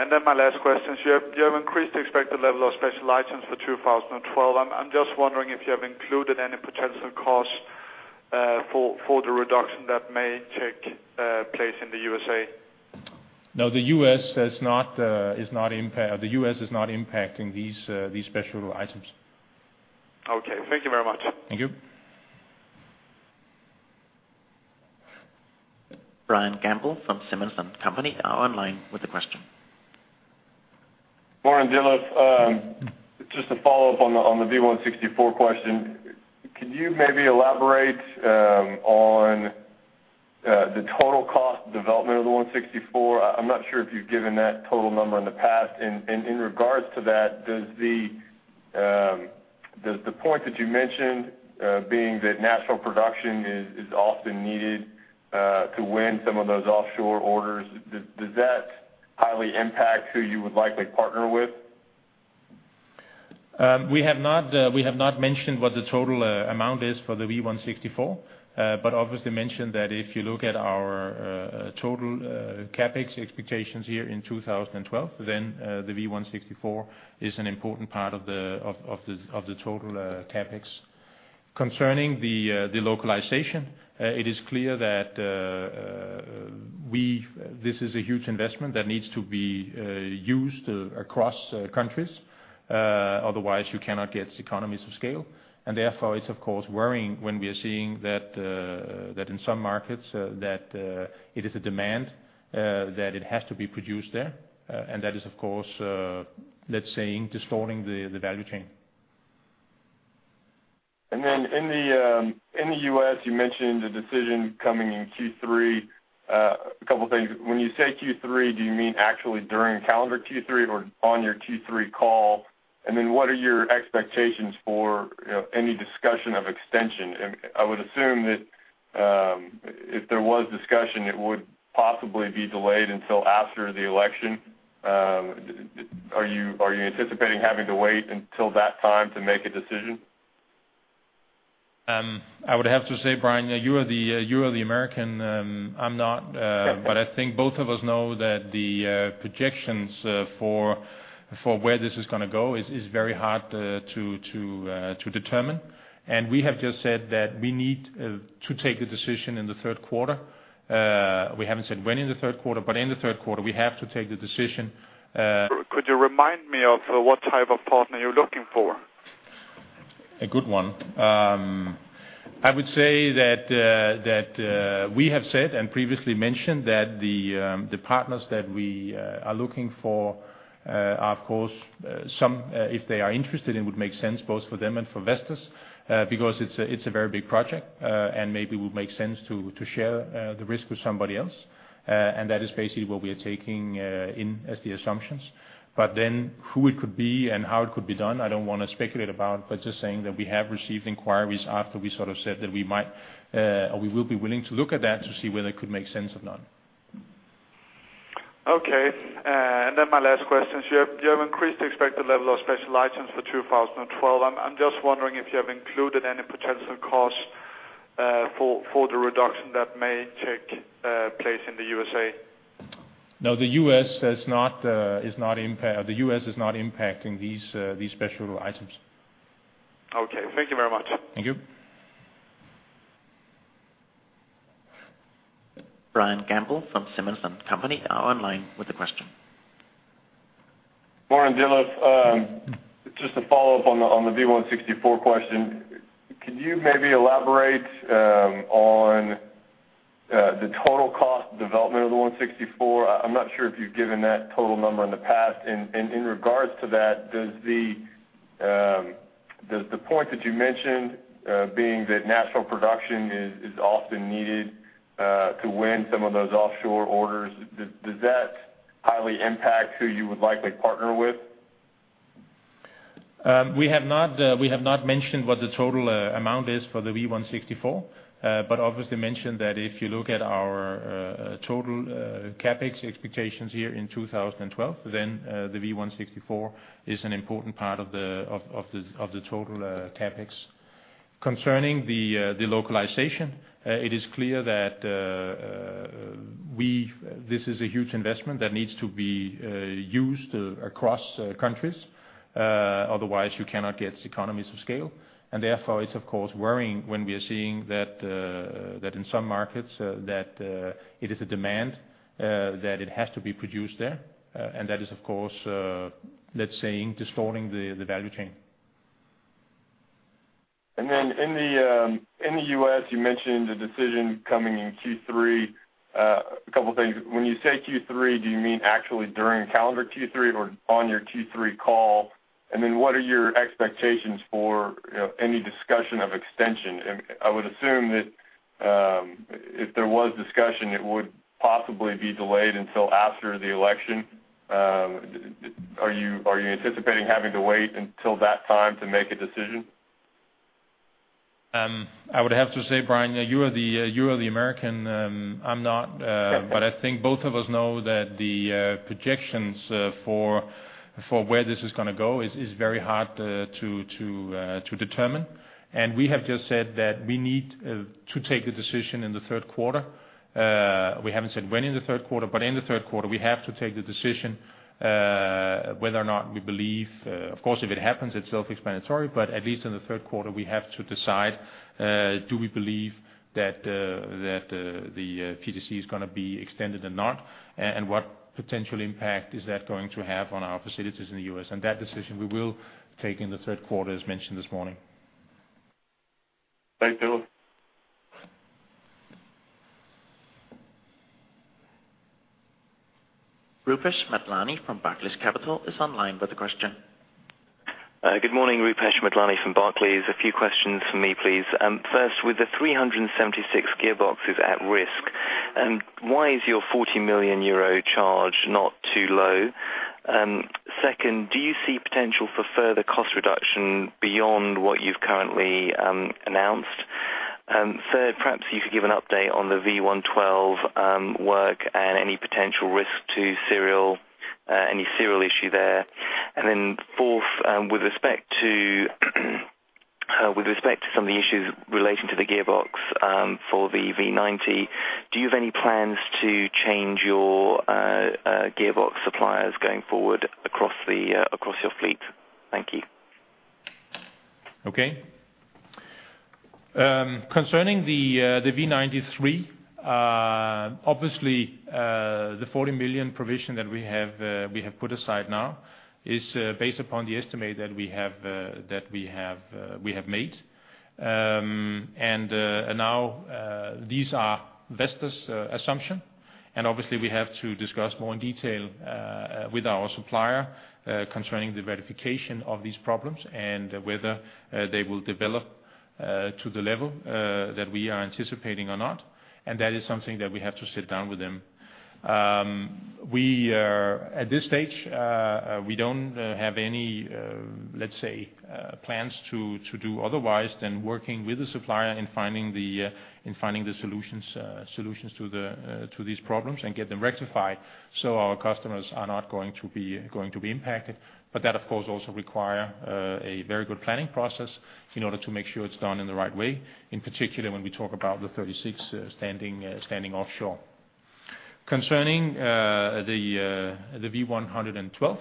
Then my last question is, you have increased the expected level of special items for 2012. I'm just wondering if you have included any potential costs for the reduction that may take place in the USA. No, the US is not impacting these special items. Okay. Thank you very much. Thank you. Brian Gamble from Simmons & Company International is online with a question. Ditlev Engel, just a follow-up on the V164 question. Could you maybe elaborate on the total cost development of the 164? I'm not sure if you've given that total number in the past. In regards to that, does the point that you mentioned, being that national production is often needed to win some of those offshore orders, does that highly impact who you would likely partner with? We have not mentioned what the total amount is for the V164, but obviously mentioned that if you look at our total CapEx expectations here in 2012, then the V164 is an important part of the total CapEx. Concerning the localization, it is clear that we this is a huge investment that needs to be used across countries. Otherwise, you cannot get economies of scale. And therefore, it's of course worrying when we are seeing that in some markets, that it is a demand that it has to be produced there. And that is, of course, let's say, distorting the value chain. And then in the U.S., you mentioned a decision coming in Q3. A couple of things. When you say Q3, do you mean actually during calendar Q3 or on your Q3 call? And then what are your expectations for, you know, any discussion of extension? And I would assume that, if there was discussion, it would possibly be delayed until after the election. Are you anticipating having to wait until that time to make a decision? I would have to say, Brian, you are the American. I'm not, but I think both of us know that the projections for where this is going to go is very hard to determine. And we have just said that we need to take the decision in the Q3. We haven't said when in the Q3, but in the Q3, we have to take the decision. Could you remind me of what type of partner you're looking for? A good one. I would say that we have said and previously mentioned that the partners that we are looking for are, of course, some, if they are interested, it would make sense both for them and for Vestas, because it's a very big project, and maybe it would make sense to share the risk with somebody else. And that is basically what we are taking in as the assumptions. But then who it could be and how it could be done, I don't want to speculate about, but just saying that we have received inquiries after we sort of said that we might or we will be willing to look at that to see whether it could make sense or not. Okay. And then my last question is, you have increased the expected level of special items for 2012. I'm just wondering if you have included any potential costs for the reduction that may take place in the USA. No, the US is not impacting these special items. Okay. Thank you very much. Thank you. Rupesh Madlani from Barclays Capital is online with a question. Good morning, Rupesh Madlani from Barclays. A few questions from me, please. First, with the 376 gearboxes at risk, why is your 40 million euro charge not too low? Second, do you see potential for further cost reduction beyond what you've currently announced? Third, perhaps you could give an update on the V112 work and any potential risk to serial, any serial issue there. And then fourth, with respect to some of the issues relating to the gearbox for the V90, do you have any plans to change your gearbox suppliers going forward across your fleet? Thank you. Okay. Concerning the V90, obviously, the 40 million provision that we have put aside now is based upon the estimate that we have made. And now, these are Vestas assumptions. And obviously, we have to discuss more in detail with our supplier concerning the verification of these problems and whether they will develop to the level that we are anticipating or not. And that is something that we have to sit down with them. At this stage, we don't have any, let's say, plans to do otherwise than working with the supplier and finding the solutions to these problems and get them rectified so our customers are not going to be impacted. But that, of course, also require a very good planning process in order to make sure it's done in the right way, in particular when we talk about the 36 standing offshore. Concerning the V112,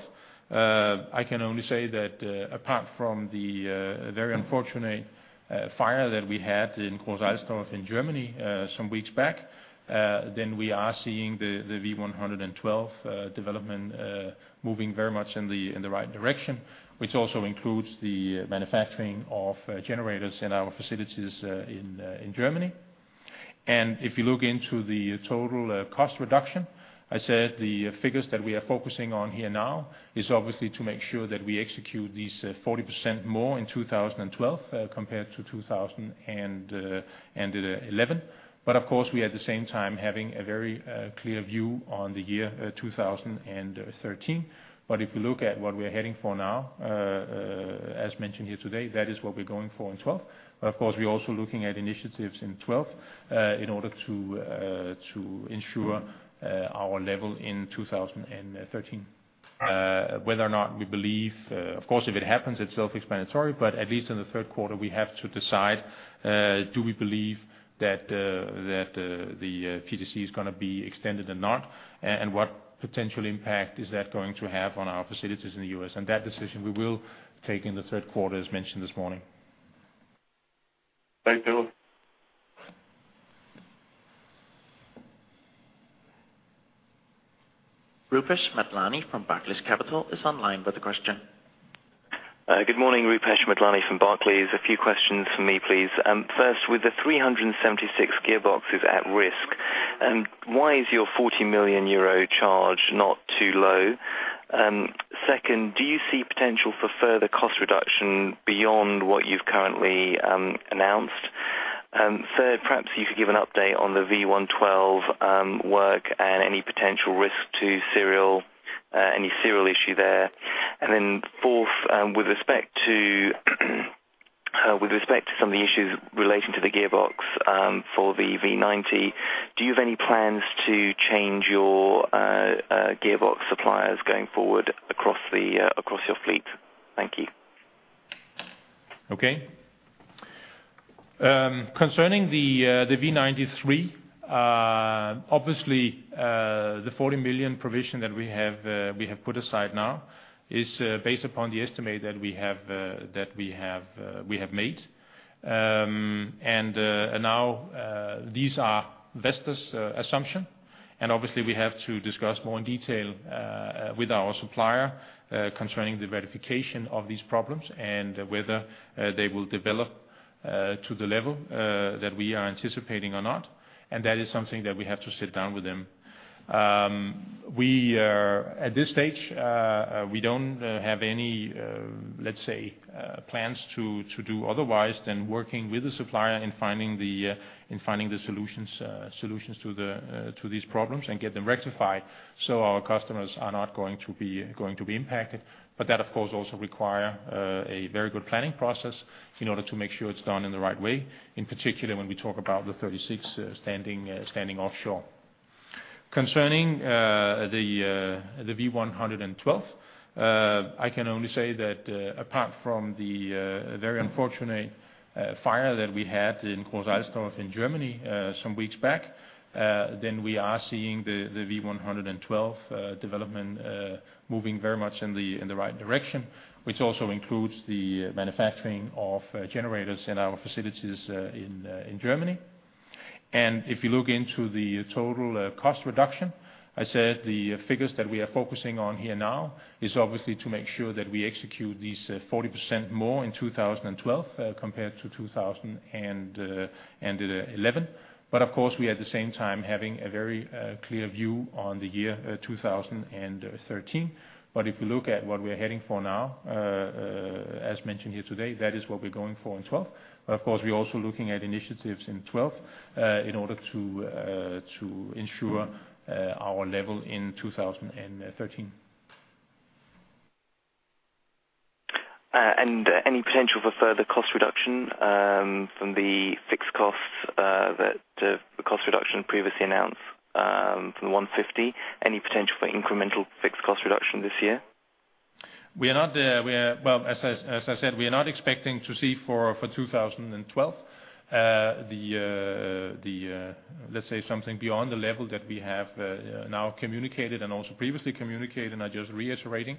I can only say that, apart from the very unfortunate fire that we had in Groß Eilstorf in Germany some weeks back, then we are seeing the V112 development moving very much in the right direction, which also includes the manufacturing of generators in our facilities in Germany. And if you look into the total cost reduction, I said the figures that we are focusing on here now is obviously to make sure that we execute these 40% more in 2012, compared to 2000 and 2011. But of course, we at the same time having a very clear view on the year 2013. But if you look at what we're heading for now, as mentioned here today, that is what we're going for in 2012. But of course, we're also looking at initiatives in 2012, in order to ensure our level in 2013, whether or not we believe, of course, if it happens, it's self-explanatory, but at least in the Q3, we have to decide, do we believe that the PTC is going to be extended or not, and what potential impact is that going to have on our facilities in the U.S. And that decision, we will take in the Q3, as mentioned this morning. Thanks, Ditlev. Rupesh Madlani from Barclays Capital is online with a question. Good morning, Rupesh Madlani from Barclays. A few questions from me, please. First, with the 376 gearboxes at risk, why is your 40 million euro charge not too low? Second, do you see potential for further cost reduction beyond what you've currently announced? Third, perhaps you could give an update on the V112 work and any potential risk to serial, any serial issue there. And then fourth, with respect to, with respect to some of the issues relating to the gearbox for the V90, do you have any plans to change your gearbox suppliers going forward across the, across your fleet? Thank you. Okay. Concerning the V90-3.0 MW, obviously, the 40 million provision that we have put aside now is based upon the estimate that we have made. And now, these are Vestas assumptions. And obviously, we have to discuss more in detail with our supplier concerning the verification of these problems and whether they will develop to the level that we are anticipating or not. And that is something that we have to sit down with them. At this stage, we don't have any, let's say, plans to do otherwise than working with the supplier and finding the solutions to these problems and get them rectified so our customers are not going to be impacted. But that, of course, also require a very good planning process in order to make sure it's done in the right way, in particular when we talk about the 36 standing offshore. Concerning the V112, I can only say that, apart from the very unfortunate fire that we had in Groß Eilstorf in Germany some weeks back, then we are seeing the V112 development moving very much in the right direction, which also includes the manufacturing of generators in our facilities in Germany. And if you look into the total cost reduction, I said the figures that we are focusing on here now is obviously to make sure that we execute these 40% more in 2012, compared to 2000 and 2011. But of course, we at the same time having a very clear view on the year 2013. But if you look at what we're heading for now, as mentioned here today, that is what we're going for in 2012. But of course, we're also looking at initiatives in 2012, in order to ensure our level in 2013. And any potential for further cost reduction from the fixed costs, the cost reduction previously announced, from the 150 million? Any potential for incremental fixed cost reduction this year? We are not, well, as I said, we are not expecting to see for 2012 the, let's say, something beyond the level that we have now communicated and also previously communicated. And I'm just reiterating.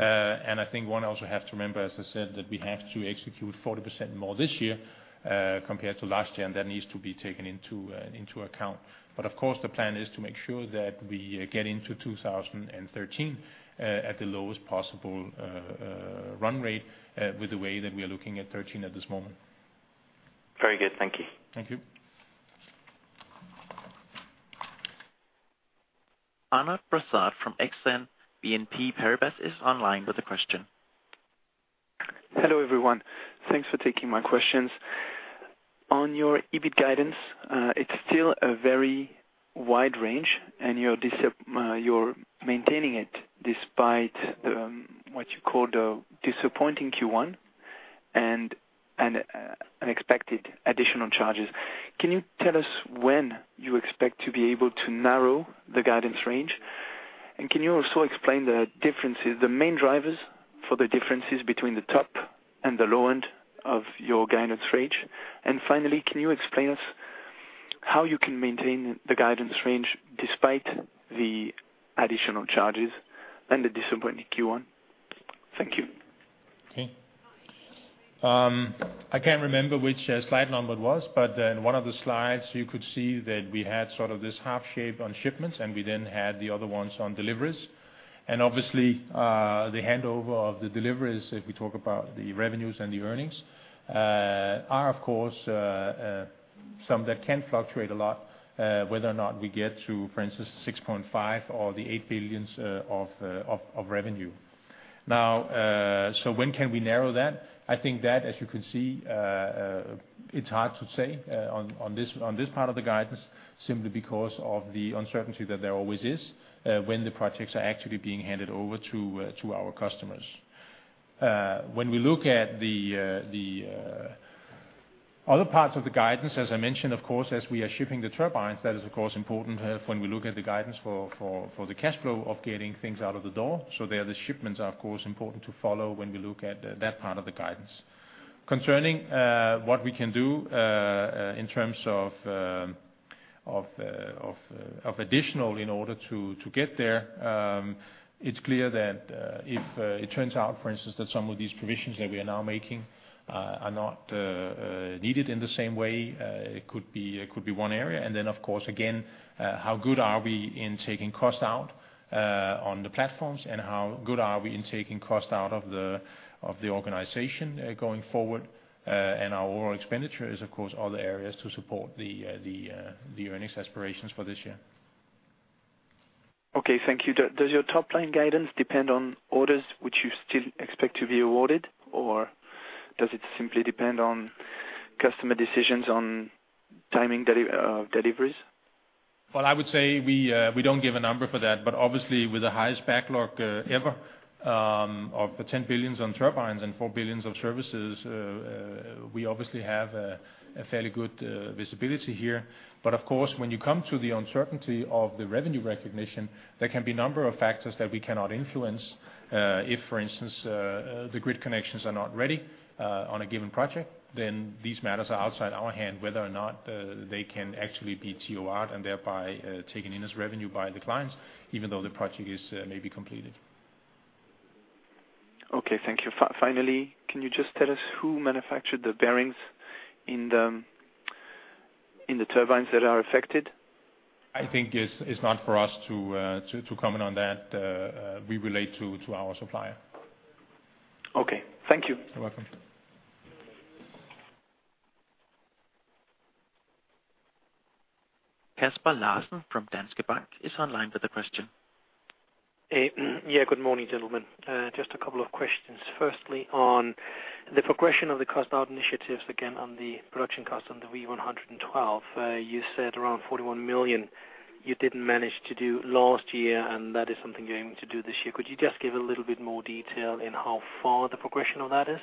I think one also has to remember, as I said, that we have to execute 40% more this year compared to last year, and that needs to be taken into account. But of course, the plan is to make sure that we get into 2013 at the lowest possible run rate, with the way that we are looking at 2013 at this moment. Very good. Thank you. Thank you. Arnaud Brossard from Exane BNP Paribas is online with a question. Hello, everyone. Thanks for taking my questions. On your EBIT guidance, it's still a very wide range, and you're maintaining it despite the what you called a disappointing Q1 and unexpected additional charges. Can you tell us when you expect to be able to narrow the guidance range? And can you also explain the differences, the main drivers for the differences between the top and the low end of your guidance range? And finally, can you explain us how you can maintain the guidance range despite the additional charges and the disappointing Q1? Thank you. Okay. I can't remember which slide number it was, but in one of the slides, you could see that we had sort of this half shape on shipments, and we then had the other ones on deliveries. And obviously, the handover of the deliveries, if we talk about the revenues and the earnings, are, of course, some that can fluctuate a lot, whether or not we get to, for instance, 6.5 billion or the 8 billion of revenue. Now, so when can we narrow that? I think that, as you can see, it's hard to say on this part of the guidance simply because of the uncertainty that there always is when the projects are actually being handed over to our customers. When we look at the does it simply depend on customer decisions on timing deliveries? Well, I would say we don't give a number for that. But obviously, with the highest backlog ever of 10 billion on turbines and 4 billion of services, we obviously have a fairly good visibility here. But of course, when you come to the uncertainty of the revenue recognition, there can be a number of factors that we cannot influence. If, for instance, the grid connections are not ready on a given project, then these matters are outside our hand whether or not they can actually be TOR'd and thereby taken in as revenue by the clients even though the project is maybe completed. Okay. Thank you. Finally, can you just tell us who manufactured the bearings in the turbines that are affected? I think it's not for us to comment on that. We relate to our supplier. Okay. Thank you. You're welcome. Kasper Larsen from Danske Bank is online with a question. Hey, yeah, good morning, gentlemen. Just a couple of questions. Firstly, on the progression of the cost-out initiatives, again, on the production cost on the V112, you said around 41 million you didn't manage to do last year, and that is something you're aiming to do this year. Could you just give a little bit more detail in how far the progression of that is?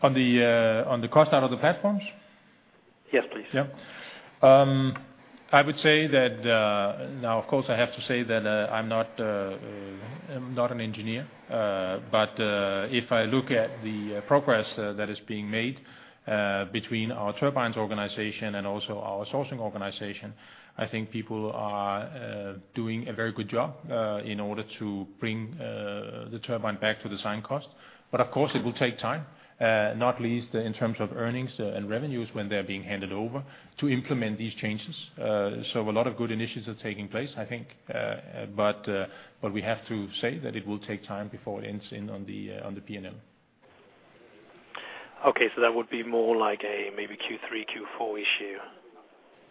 On the, on the cost out of the platforms? Yes, please. Yep. I would say that, now, of course, I have to say that, I'm not an engineer. But, if I look at the progress that is being made, between our turbines organization and also our sourcing organization, I think people are doing a very good job, in order to bring the turbine back to design cost. But of course, it will take time, not least, in terms of earnings, and revenues when they're being handed over to implement these changes. So a lot of good initiatives are taking place, I think, but we have to say that it will take time before it ends in on the, on the P&L. Okay. So that would be more like a maybe Q3, Q4 issue?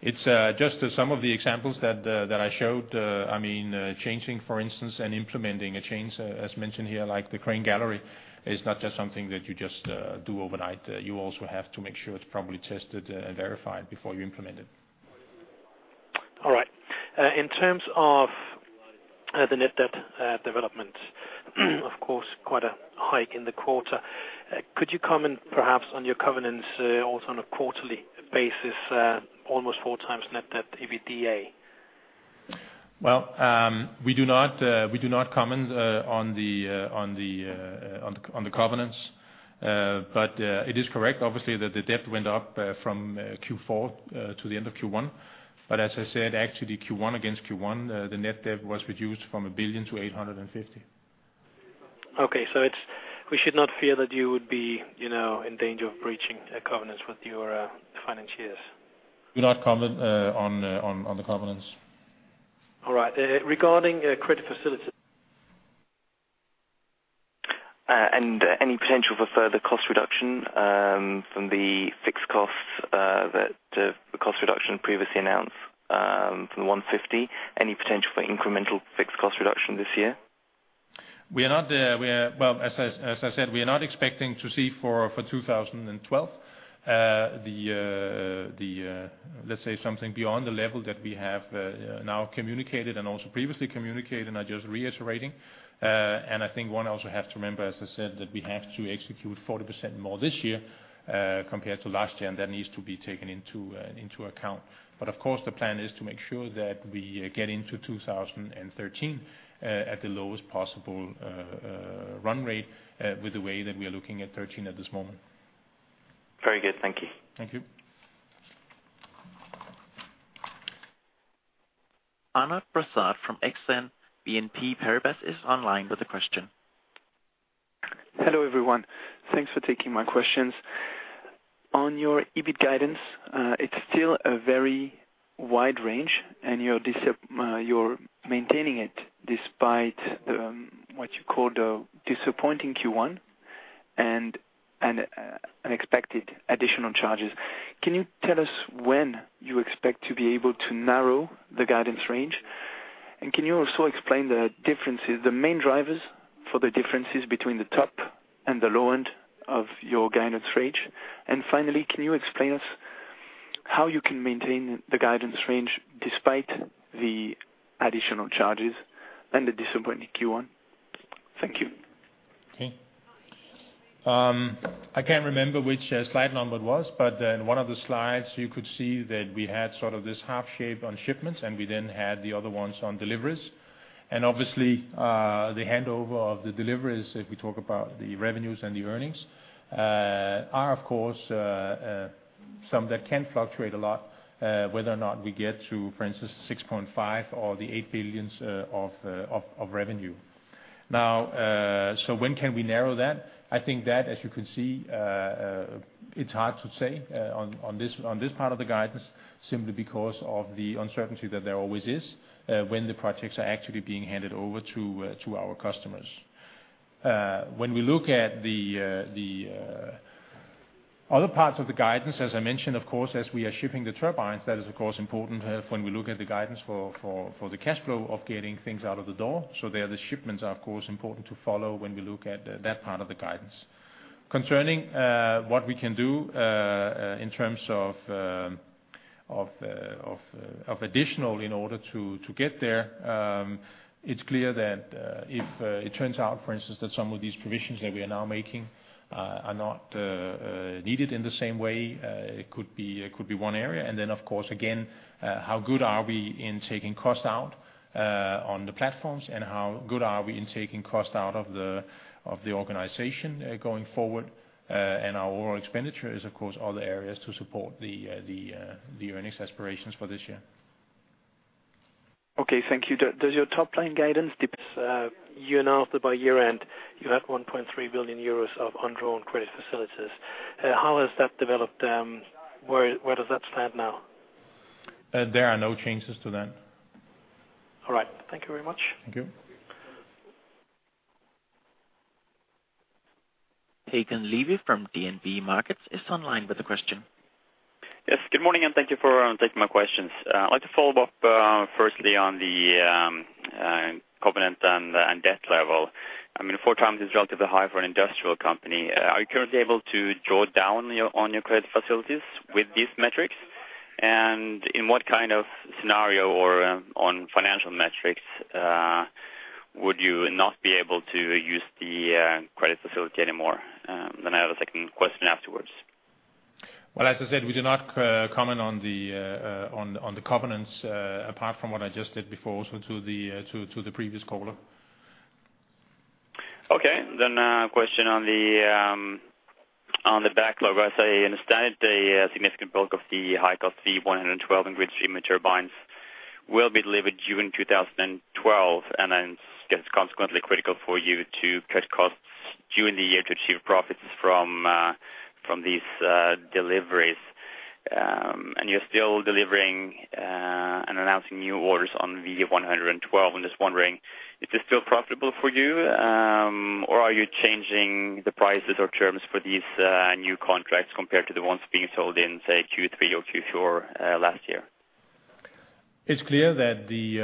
It's just some of the examples that I showed. I mean, changing, for instance, and implementing a change, as mentioned here, like the crane gallery, is not just something that you just do overnight. You also have to make sure it's properly tested, and verified before you implement it. All right. In terms of the net debt development, of course, quite a hike in the quarter. Could you comment perhaps on your covenants, also on a quarterly basis, almost four times net debt EBITDA? Well, we do not comment on the covenants. But it is correct, obviously, that the debt went up from Q4 to the end of Q1. But as I said, actually, Q1 against Q1, the net debt was reduced from 1 billion to 850 million. Okay. So it's we should not fear that you would be, you know, in danger of breaching a covenants with your financiers? Do not comment on the covenants. All right. Regarding credit facilities year now, so by year-end, you have 1.3 billion euros of underwritten credit facilities. How has that developed, where does that stand now? There are no changes to that. All right. Thank you very much. Thank you. Hakon Levy from DNB Markets is online with a question. Yes. Good morning, and thank you for taking my questions. I'd like to follow up, firstly on the covenant and debt level. I mean, four times is relatively high for an industrial company. Are you currently able to draw down on your credit facilities with these metrics? And in what kind of scenario or on financial metrics would you not be able to use the credit facility anymore? Then I have a second question afterwards. Well, as I said, we do not comment on the covenants, apart from what I just did before also to the previous caller. Okay. Then, question on the backlog. As I understand it, the significant bulk of the high-cost V112 and GridStreamer turbines will be delivered June 2012, and then it's consequently critical for you to cut costs during the year to achieve profits from, from these deliveries. And you're still delivering, and announcing new orders on V112. I'm just wondering, is this still profitable for you, or are you changing the prices or terms for these new contracts compared to the ones being sold in, say, Q3 or Q4 last year? It's clear that the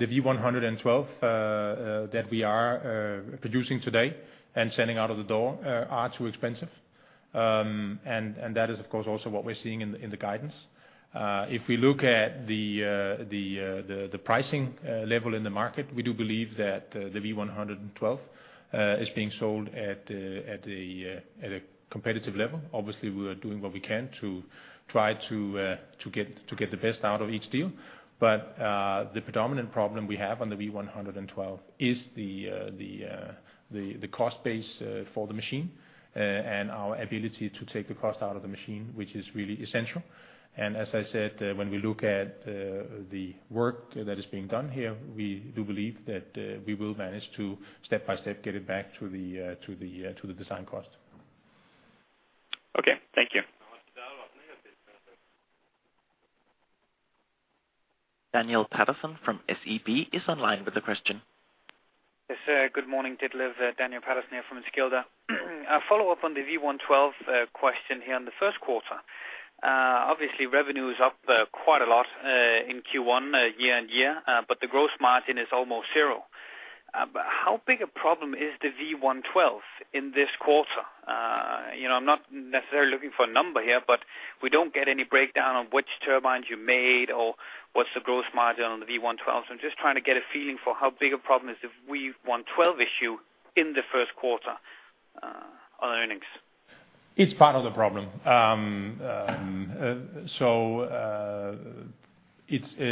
V112 that we are producing today and sending out of the door are too expensive. And that is, of course, also what we're seeing in the guidance. If we look at the pricing level in the market, we do believe that the V112 is being sold at a competitive level. Obviously, we're doing what we can to try to get the best out of each deal. But the predominant problem we have on the V112 is the cost base for the machine, and our ability to take the cost out of the machine, which is really essential. And as I said, when we look at the work that is being done here, we do believe that we will manage to step by step get it back to the design cost. Okay. Thank you. Daniel Patterson from SEB is online with a question. Yes, good morning, Ditlev Engel. Daniel Patterson here from SEB Enskilda. Follow-up on the V112, question here on the Q1. Obviously, revenue is up quite a lot in Q1 year-over-year, but the gross margin is almost zero. But how big a problem is the V112 in this quarter? You know, I'm not necessarily looking for a number here, but we don't get any breakdown on which turbines you made or what's the gross margin on the V112. So I'm just trying to get a feeling for how big a problem is the V112 issue in the Q1, on earnings. It's part of the problem. So, it's,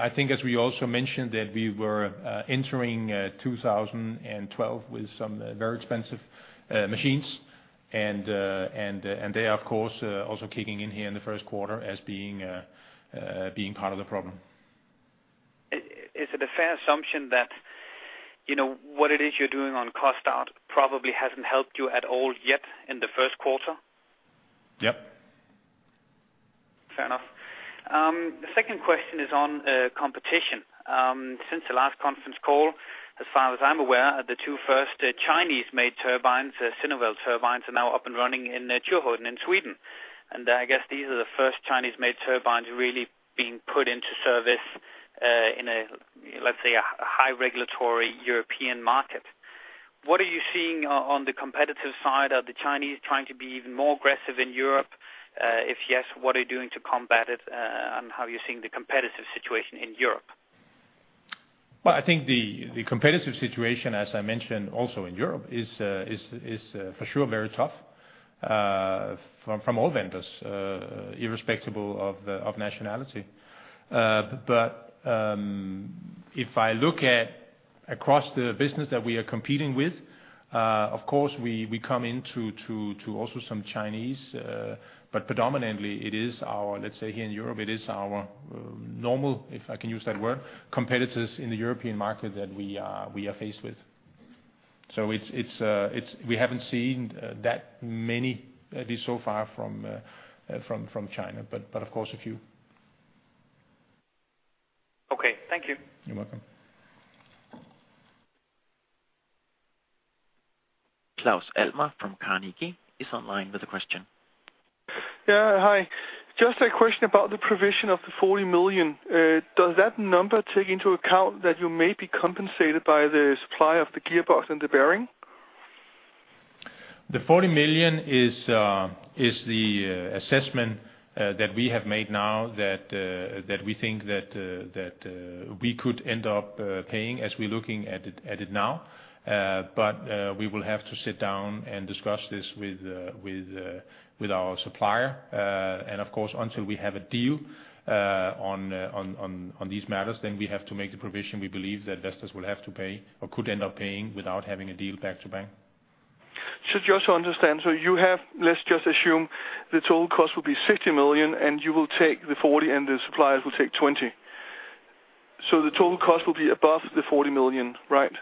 I think, as we also mentioned, that we were entering 2012 with some very expensive machines. And they are, of course, also kicking in here in the Q1 as being part of the problem. Is it a fair assumption that, you know, what it is you're doing on cost out probably hasn't helped you at all yet in the Q1? Yep. Fair enough. The second question is on competition. Since the last conference call, as far as I'm aware, the two first Chinese-made turbines, Sinovel turbines, are now up and running in Tjörn in Sweden. And I guess these are the first Chinese-made turbines really being put into service in a, let's say, a high-regulatory European market. What are you seeing on the competitive side? Are the Chinese trying to be even more aggressive in Europe? If yes, what are you doing to combat it, and how are you seeing the competitive situation in Europe? Well, I think the competitive situation, as I mentioned, also in Europe is for sure very tough from all vendors, irrespective of nationality. But if I look across the business that we are competing with, of course, we come into to also some Chinese, but predominantly, it is our—let's say here in Europe, it is our normal, if I can use that word, competitors in the European market that we are faced with. So it's we haven't seen that many, at least so far, from China. But of course, a few. Okay. Thank you. You're welcome. Claus Almer from Carnegie is online with a question. Yeah. Hi. Just a question about the provision of the 40 million. Does that number take into account that you may be compensated by the supplier of the gearbox and the bearing? The 40 million is the assessment that we have made now that we think that we could end up paying as we're looking at it now. But we will have to sit down and discuss this with our supplier. And of course, until we have a deal on these matters, then we have to make the provision we believe that Vestas will have to pay or could end up paying without having a deal back-to-back. Should you also understand so you have let's just assume the total cost will be 60 million, and you will take the 40 million, and the suppliers will take 20 million. So the total cost will be above the 40 million, right?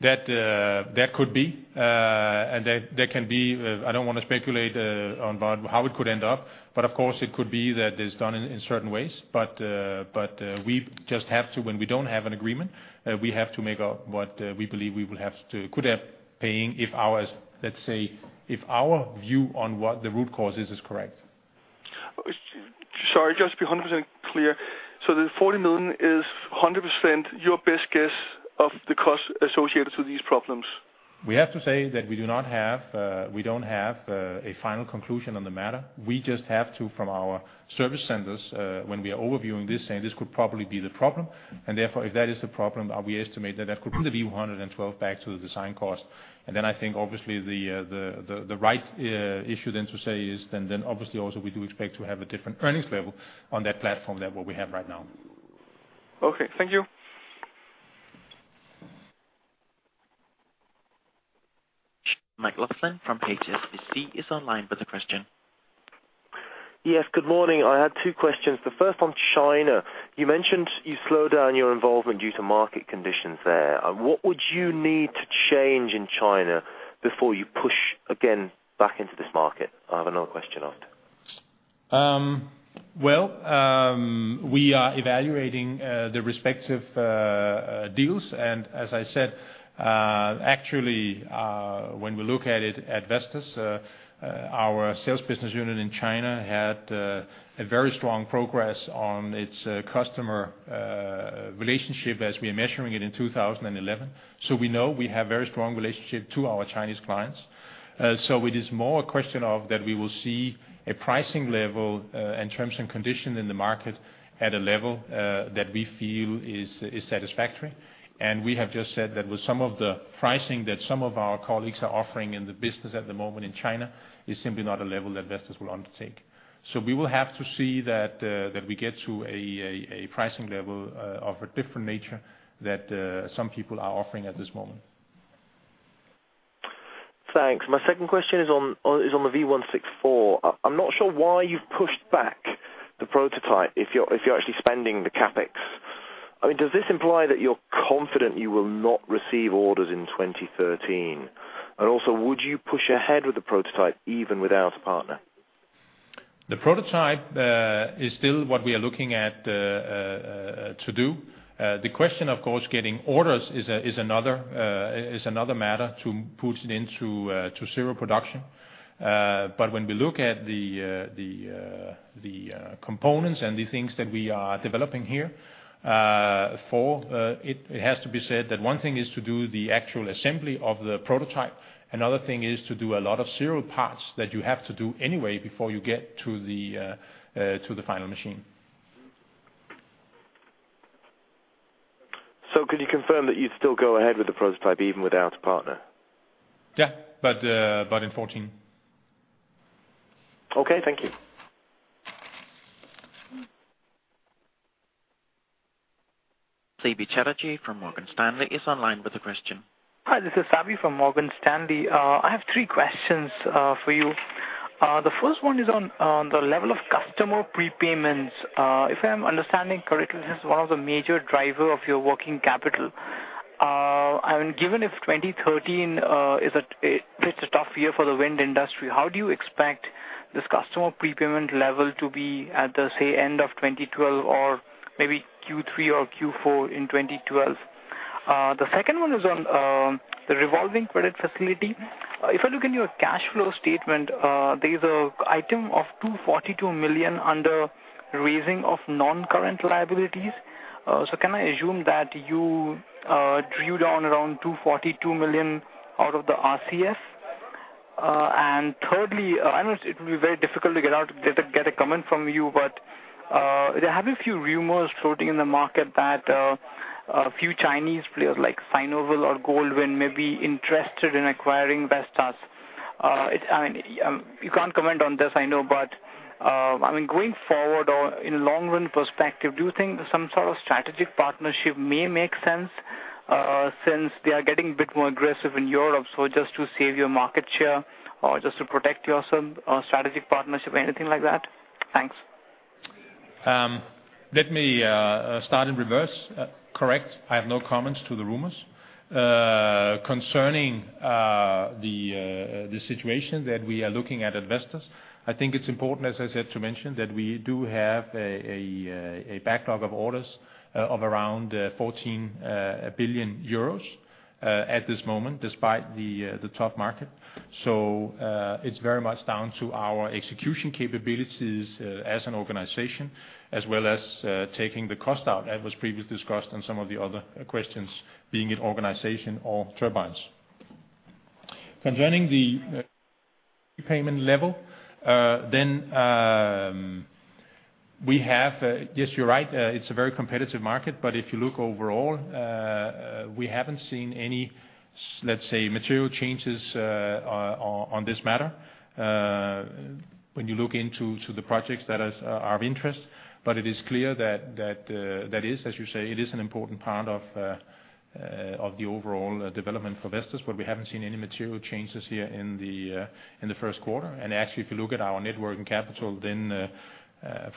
That could be. And there can be I don't wanna speculate on about how it could end up. But of course, it could be that it's done in certain ways. But we just have to, when we don't have an agreement, make up what we believe we will have to – could end up paying if, ours, let's say, if our view on what the root cause is is correct. Sorry, just to be 100% clear. So the 40 million is 100% your best guess of the cost associated to these problems? We have to say that we do not have – we don't have – a final conclusion on the matter. We just have to from our service centers, when we are overviewing this, say, "This could probably be the problem." And therefore, if that is the problem, we estimate that that could bring the V112 back to the design cost? And then I think, obviously, the right issue then to say is then, then obviously, also, we do expect to have a different earnings level on that platform than what we have right now. Okay. Thank you. Michael Lefebvre from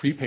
HSBC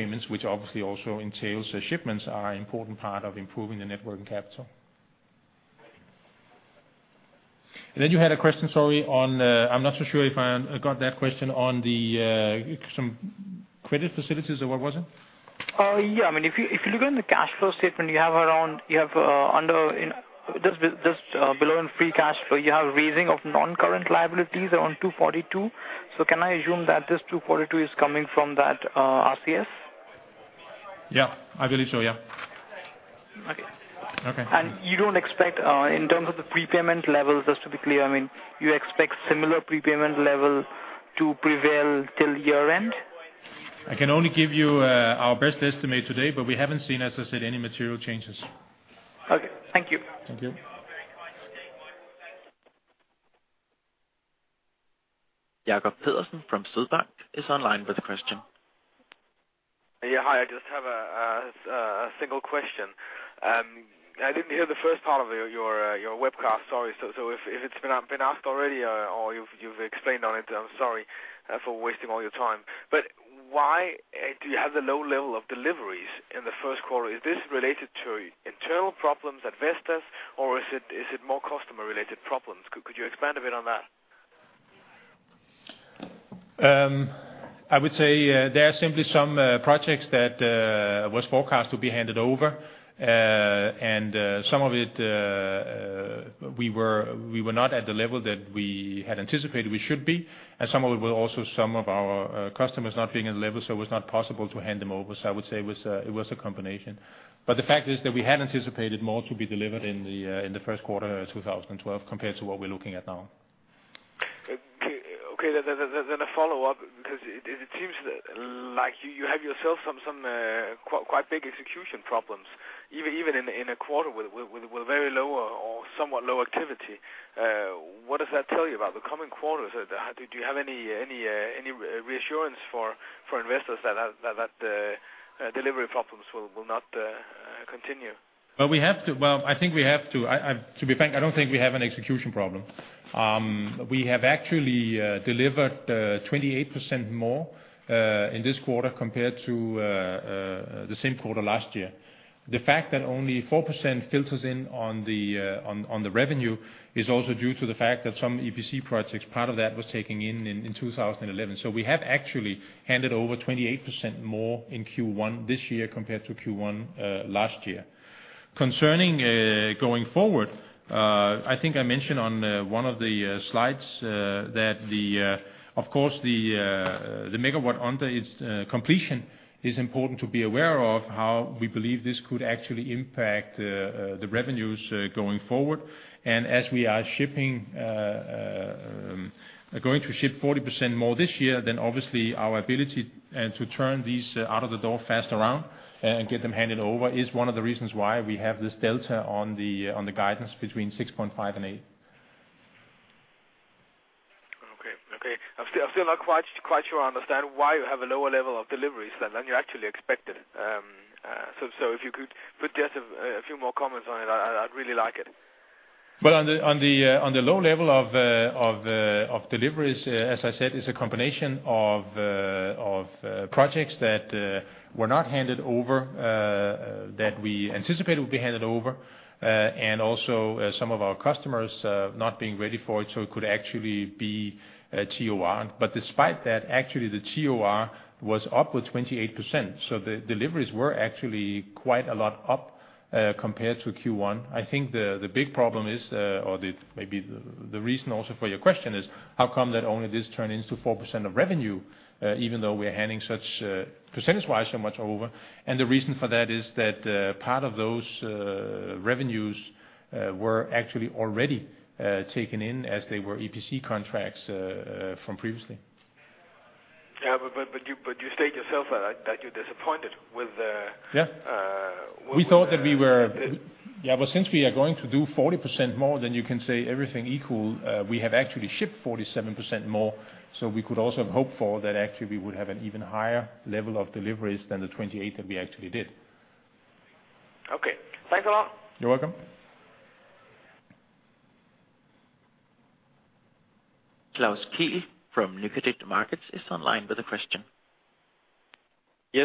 is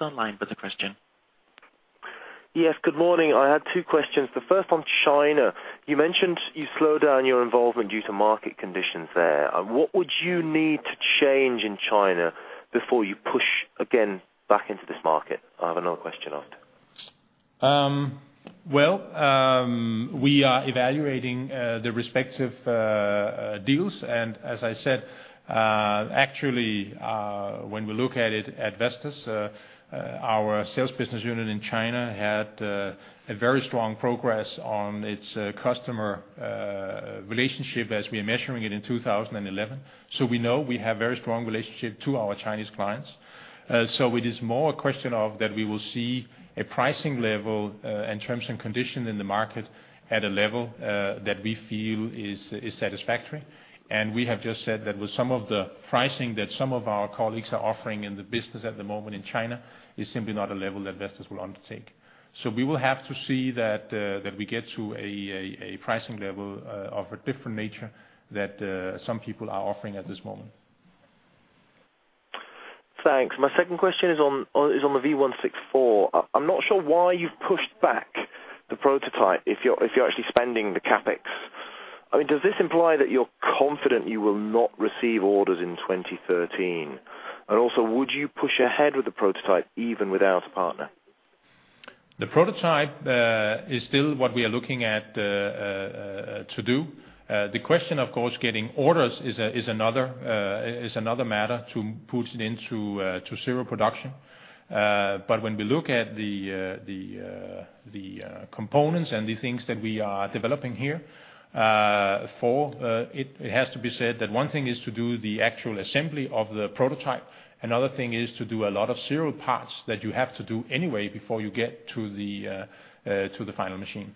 online with a question. Yes. Good morning. I had two questions. The first on China. You mentioned you slowed down your involvement due to market conditions there. What would you need to change in China before you push again back into this market? I have another question after. Well, we are evaluating the respective deals. And as I said, actually, when we look at it, at Vestas, our sales business unit in China had a very strong progress on its customer relationship as we are measuring it in 2011. So we know we have very strong relationship to our Chinese clients. So it is more a question of that we will see a pricing level, in terms and condition in the market at a level, that we feel is satisfactory. And we have just said that with some of the pricing that some of our colleagues are offering in the business at the moment in China is simply not a level that Vestas will undertake. So we will have to see that we get to a pricing level of a different nature that some people are offering at this moment. Thanks. My second question is on the V164. I'm not sure why you've pushed back the prototype if you're actually spending the CapEx. I mean, does this imply that you're confident you will not receive orders in 2013? And also, would you push ahead with the prototype even without a partner? The prototype is still what we are looking at to do. The question, of course, getting orders is another matter to put it into serial production. But when we look at the components and the things that we are developing here, it has to be said that one thing is to do the actual assembly of the prototype. Another thing is to do a lot of serial parts that you have to do anyway before you get to the final machine.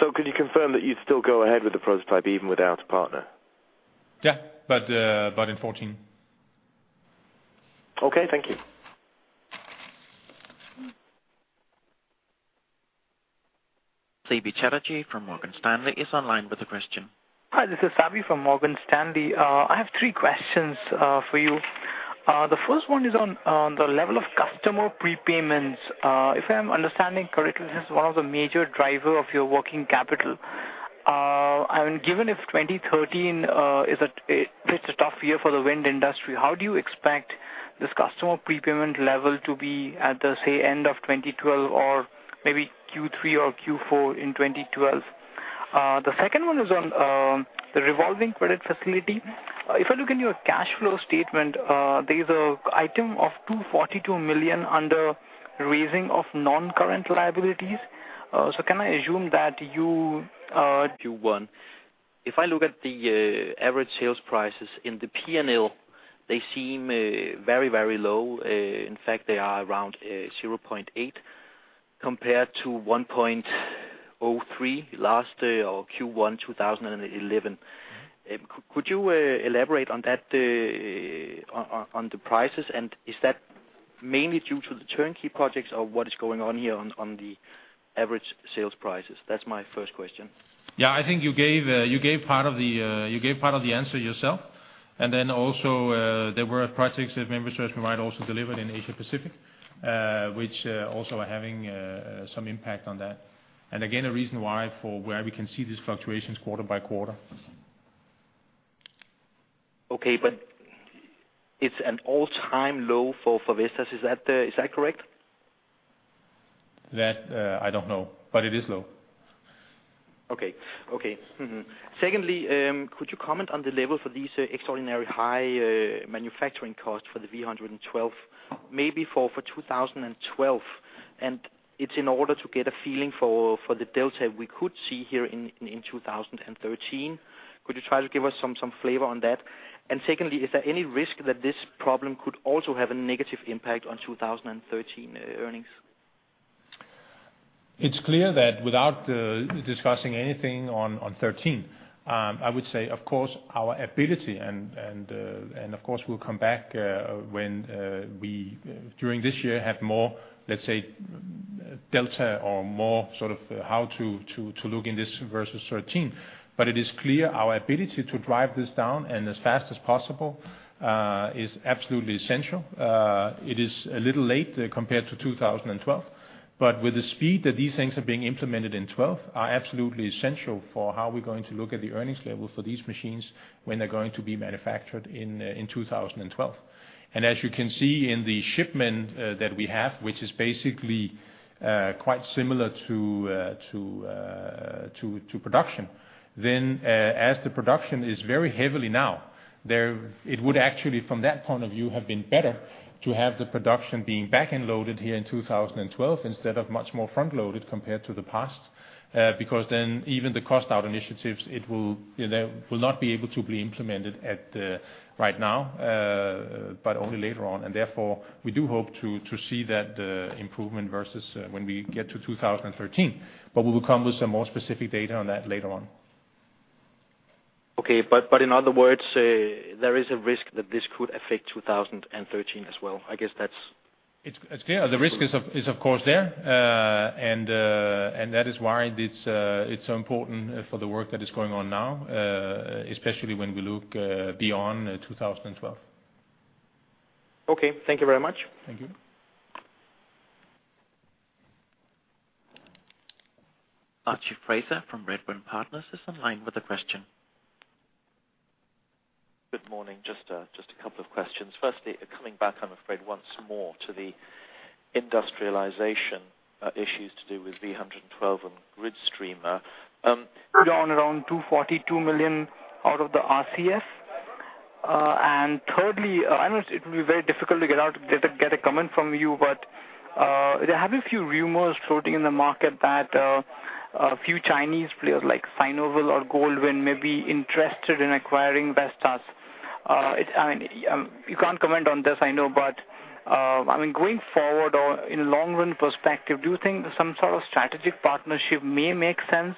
So could you confirm that you'd still go ahead with the prototype even without a partner? Yeah. But, but in 2014. Okay. Thank you. Sabyasachi Chatterjee from Morgan Stanley is online with a question. Hi. This is Sabi from Morgan Stanley. I have three questions for you. The first one is on the level of customer prepayments. If I'm understanding correctly, this is one of the major drivers of your working capital. I mean, given if 2013 is a, it's a tough year for the wind industry, how do you expect this customer prepayment level to be at the, say, end of 2012 or maybe compared to 1.03 last or Q1 2011. Could you elaborate on that, on the prices? And is that mainly due to the turnkey projects or what is going on here on the average sales prices? That's my first question. Yeah. I think you gave part of the answer yourself. And then also, there were projects that members of SBU also delivered in Asia-Pacific, which also are having some impact on that. And again, a reason why we can see these fluctuations quarter by quarter. Okay. But it's an all-time low for Vestas. Is that correct? That, I don't know. But it is low. Okay. Okay. Mm-hmm. Secondly, could you comment on the level for these extraordinary high manufacturing costs for the V112 maybe for 2012? And it's in order to get a feeling for the delta we could see here in 2013. Could you try to give us some flavor on that? And secondly, is there any risk that this problem could also have a negative impact on 2013 earnings? It's clear that without discussing anything on '13, I would say, of course, our ability and of course, we'll come back when we during this year have more, let's say, delta or more sort of how to look in this versus '13. But it is clear our ability to drive this down and as fast as possible is absolutely essential. It is a little late compared to 2012. But with the speed that these things are being implemented in 2012 are absolutely essential for how we're going to look at the earnings level for these machines when they're going to be manufactured in 2012. And as you can see in the shipment that we have, which is basically quite similar to production, then as the production is very heavily now there it would actually, from that point of view, have been better to have the production being back-end loaded here in 2012 instead of much more front-loaded compared to the past, because then even the cost-out initiatives, it will, you know, will not be able to be implemented at right now, but only later on. And therefore, we do hope to see that improvement versus when we get to 2013. But we will come with some more specific data on that later on. Okay. But in other words, there is a risk that this could affect 2013 as well. I guess that's. It's clear. The risk is, of course, there. And that is why it's so important for the work that is going on now, especially when we look beyond 2012. Okay. Thank you very much. Thank you. Archie Fraser from Redburn Partners is online with a question. Good morning. Just a couple of questions. Firstly, coming back, I'm afraid, once more to the industrialization issues to do with V112 and GridStreamer. Down around 242 million out of the RCF. And thirdly, I know it'll be very difficult to get a comment from you, but there have been a few rumors floating in the market that a few Chinese players like Sinovel or Goldwind may be interested in acquiring Vestas. It I mean, you can't comment on this, I know, but, I mean, going forward or in a long-run perspective, do you think some sort of strategic partnership may make sense,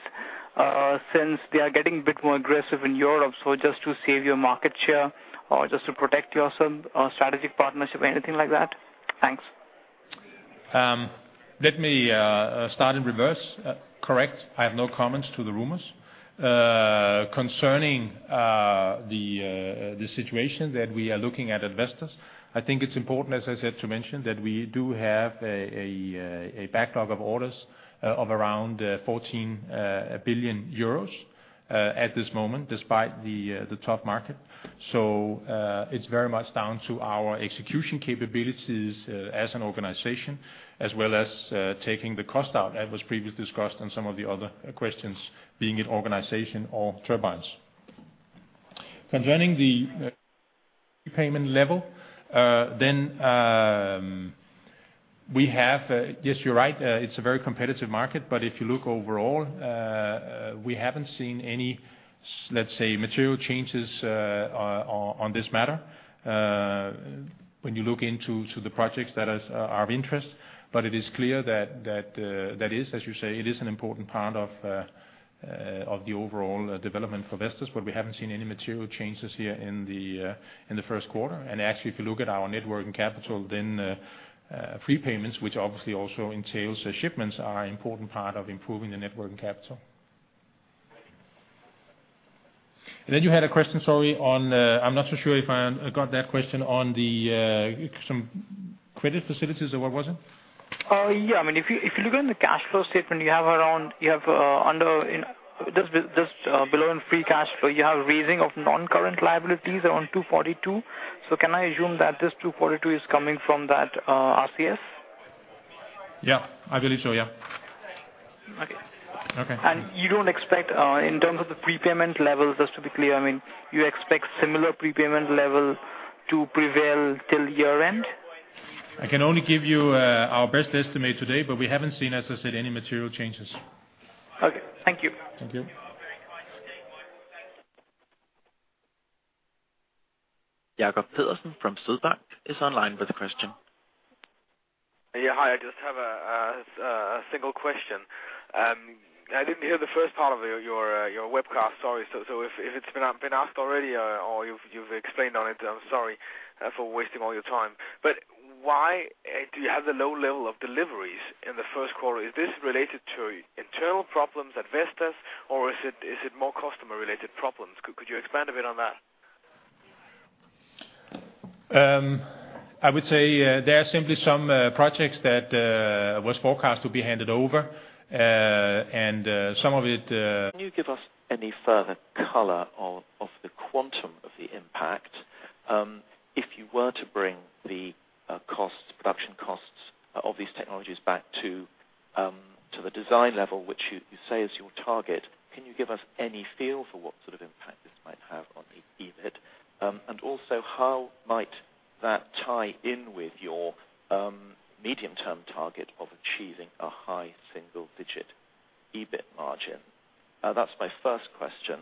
since they are getting a bit more aggressive in Europe so just to save your market share or just to protect yourself, strategic partnership, anything like that? Thanks. Let me start in reverse. Correct. I have no comments to the rumors. Concerning the situation that we are looking at at Vestas, I think it's important, as I said, to mention that we do have a backlog of orders of around 14 billion euros at this moment despite the tough market. So, it's very much down to our execution capabilities as an organization as well as taking the cost out, as was previously discussed on some of the other questions, being it organization or turbines. Concerning the prepayment level, then, we have yes, you're right. It's a very competitive market. But if you look overall, we haven't seen any, let's say, material changes on this matter, when you look into to the projects that are of interest. But it is clear that is, as you say, it is an important part of the overall development for Vestas, but we haven't seen any material changes here in the Q1. And actually, if you look at our net working capital, then prepayments, which obviously also entails shipments, are an important part of improving the net working capital. And then you had a question, sorry, on, I'm not so sure if I got that question on the some credit facilities or what was it? Yeah. I mean, if you look on the cash flow statement, you have around, under, just below, in free cash flow, you have raising of non-current liabilities around 242. So can I assume that this 242 is coming from that, RCF? Yeah. I believe so. Yeah. Okay. Okay. And you don't expect, in terms of the prepayment levels, just to be clear, I mean, you expect similar prepayment level to prevail till year-end? I can only give you, our best estimate today, but we haven't seen, as I said, any material changes. Okay. Thank you. Thank you. Jacob Pedersen from Sydbank is online with a question. Yeah. Hi. I just have a single question. I didn't hear the first part of your webcast. Sorry. So if it's been asked already or you've explained on it, I'm sorry for wasting all your time. But why do you have the low level of deliveries in the Q1? Is this related to internal problems at Vestas, or is it more customer-related problems? Could you expand a bit on that? I would say there are simply some projects that was forecast to be handed over, and some of it. Can you give us any further color on the quantum of the impact? If you were to bring the production costs of these technologies back to the design level, which you say is your target, can you give us any feel for what sort of impact this might have on the EBIT? And also, how might that tie in with your medium-term target of achieving a high single-digit EBIT margin? That's my first question.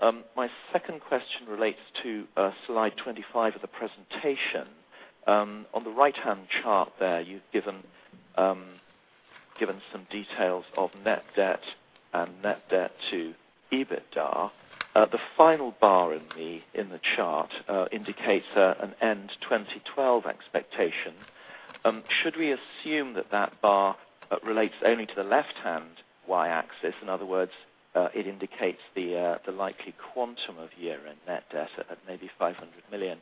My second question relates to slide 25 of the presentation. On the right-hand chart there, you've given some details of net debt and net debt to EBITDA. The final bar in the chart indicates an end-2012 expectation. Should we assume that bar relates only to the left-hand Y-axis? In other words, it indicates the likely quantum of year-end net debt at maybe 500 million.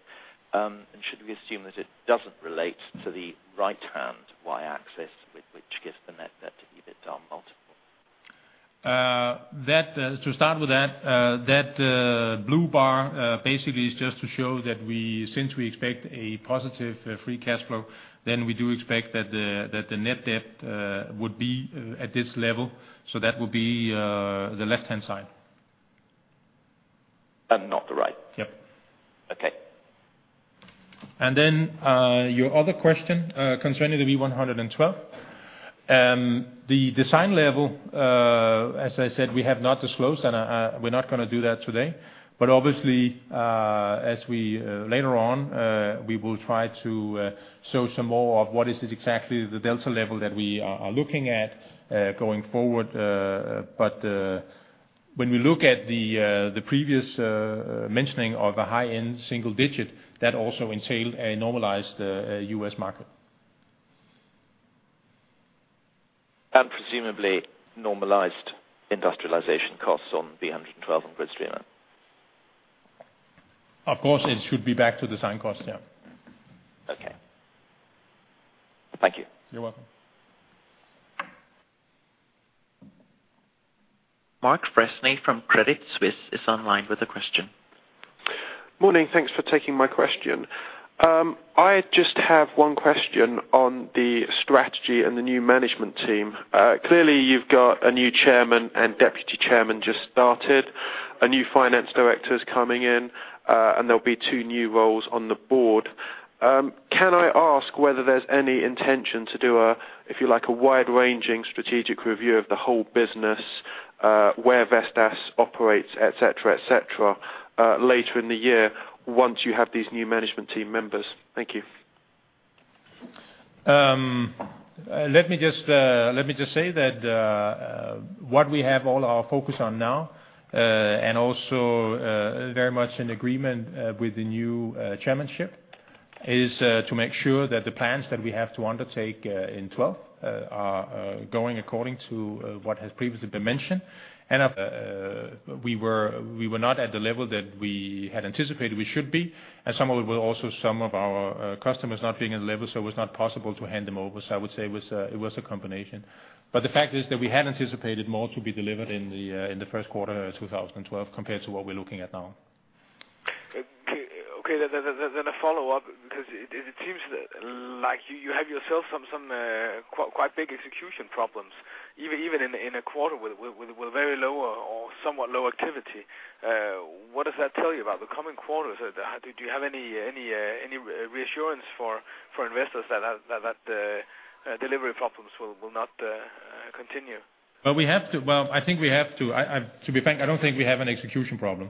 And should we assume that it doesn't relate to the right-hand Y-axis, which gives the net debt to EBITDA multiple? To start with that blue bar, basically is just to show that we, since we expect a positive free cash flow, then we do expect that the net debt would be at this level. So that would be the left-hand side. And not the right? Yep. Okay. And then your other question concerning the V112, the design level, as I said, we have not disclosed, and we're not gonna do that today. But obviously, as we later on, we will try to show some more of what is it exactly the delta level that we are looking at going forward. But when we look at the previous mentioning of a high-end single digit, that also entailed a normalized US market. And presumably normalized industrialization costs on V112 and GridStreamer? Of course, it should be back to design costs. Yeah. Okay. Thank you. You're welcome. Mark Freshney from Credit Suisse is online with a question. Morning. Thanks for taking my question. I just have one question on the strategy and the new management team. Clearly, you've got a new chairman and deputy chairman just started, a new finance director's coming in, and there'll be two new roles on the board. Can I ask whether there's any intention to do a, if you like, a wide-ranging strategic review of the whole business, where Vestas operates, etc., etc., later in the year once you have these new management team members? Thank you. Let me just, let me just say that, what we have all our focus on now, and also, very much in agreement, with the new, chairmanship is, to make sure that the plans that we have to undertake, in 2012, are, going according to, what has previously been mentioned. And. We were not at the level that we had anticipated we should be. And some of it was also some of our customers not being at the level, so it was not possible to hand them over. So I would say it was a combination. But the fact is that we had anticipated more to be delivered in the Q1 2012 compared to what we're looking at now. Okay. Okay. Then a follow-up because it seems that, like, you have yourself some quite big execution problems even in a quarter with very low or somewhat low activity. What does that tell you about the coming quarters? Do you have any reassurance for investors that delivery problems will not continue? Well, I think we have to. To be frank, I don't think we have an execution problem.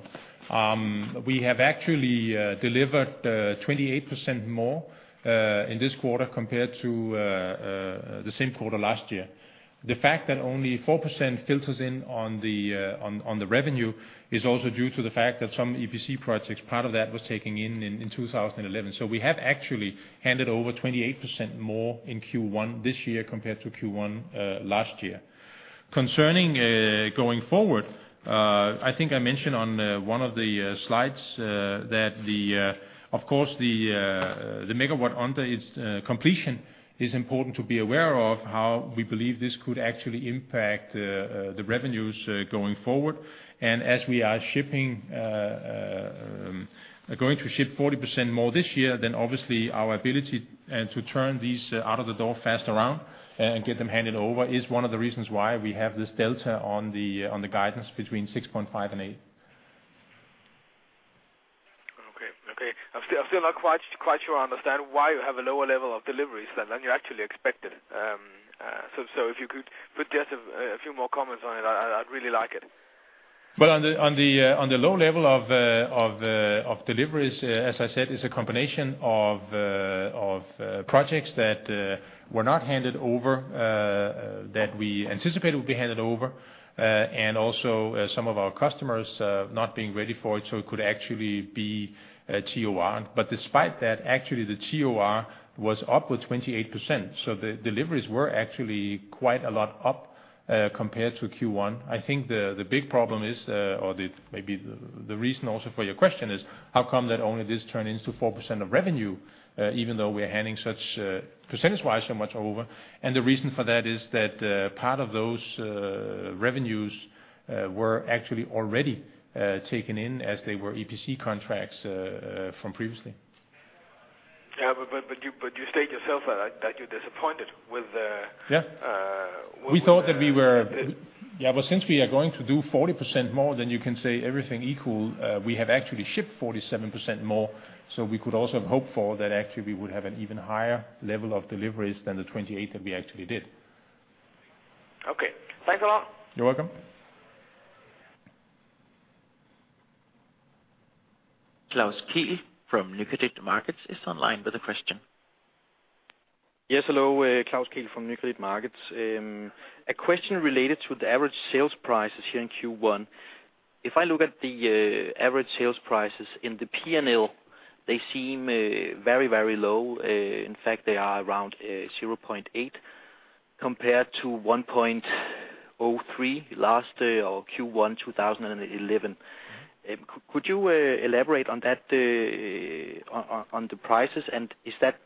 We have actually delivered 28% more in this quarter compared to the same quarter last year. The fact that only 4% filters in on the revenue is also due to the fact that some EPC projects, part of that, were taken in 2011. So we have actually handed over 28% more in Q1 this year compared to Q1 last year. Concerning going forward, I think I mentioned on one of the slides that, of course, the MW under construction is important to be aware of, how we believe this could actually impact the revenues going forward. And as we are shipping, going to ship 40% more this year, then obviously, our ability to turn these out of the door fast around, and get them handed over is one of the reasons why we have this delta on the guidance between 6.5 and 8. Okay. Okay. I'm still not quite sure I understand why you have a lower level of deliveries than you actually expected. So if you could put just a few more comments on it, I'd really like it. Well, on the low level of deliveries, as I said, is a combination of projects that were not handed over, that we anticipated would be handed over, and also some of our customers not being ready for it, so it could actually be TOR. But despite that, actually, the TOR was up with 28%. So the deliveries were actually quite a lot up, compared to Q1. I think the big problem is, or maybe the reason also for your question is how come that only this turned into 4% of revenue, even though we are handing such, percentage-wise, so much over. And the reason for that is that part of those revenues were actually already taken in as they were EPC contracts, from previously. Yeah. But, but, but you but you state yourself that, that you're disappointed with, yeah. With. We thought that we were, yeah. But since we are going to do 40% more than you can say everything equal, we have actually shipped 47% more. So we could also hope for that, actually, we would have an even higher level of deliveries than the 28 that we actually did. Okay. Thanks a lot. You're welcome. Klaus Kehl from Nykredit Markets is online with a question. Yes. Hello. Klaus Kehl from Nykredit Markets. A question related to the average sales prices here in Q1. If I look at the average sales prices in the P&L, they seem very, very low. In fact, they are around 0.8 compared to 1.03 last, or Q1 2011. Could you elaborate on that, on the prices? And is that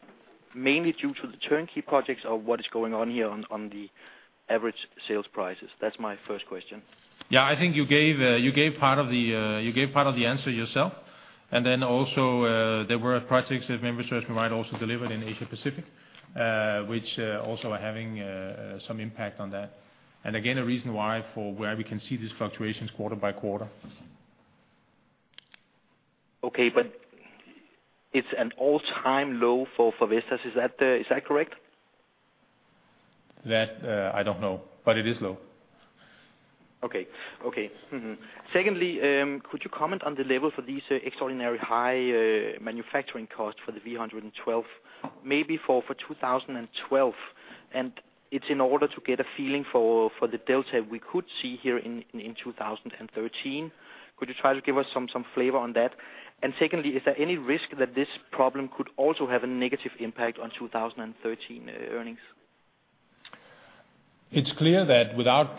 mainly due to the turnkey projects or what is going on here on the average sales prices? That's my first question. Yeah. I think you gave part of the answer yourself. And then also, there were projects that members of SBU also delivered in Asia-Pacific, which also are having some impact on that. And again, a reason why for where we can see these fluctuations quarter by quarter. Okay. But it's an all-time low for Vestas. Is that correct? That, I don't know. But it is low. Okay. Okay. Mm-hmm. Secondly, could you comment on the level for these extraordinary high manufacturing costs for the V112, maybe for 2012? And it's in order to get a feeling for the delta we could see here in 2013. Could you try to give us some flavor on that? And secondly, is there any risk that this problem could also have a negative impact on 2013 earnings? It's clear that without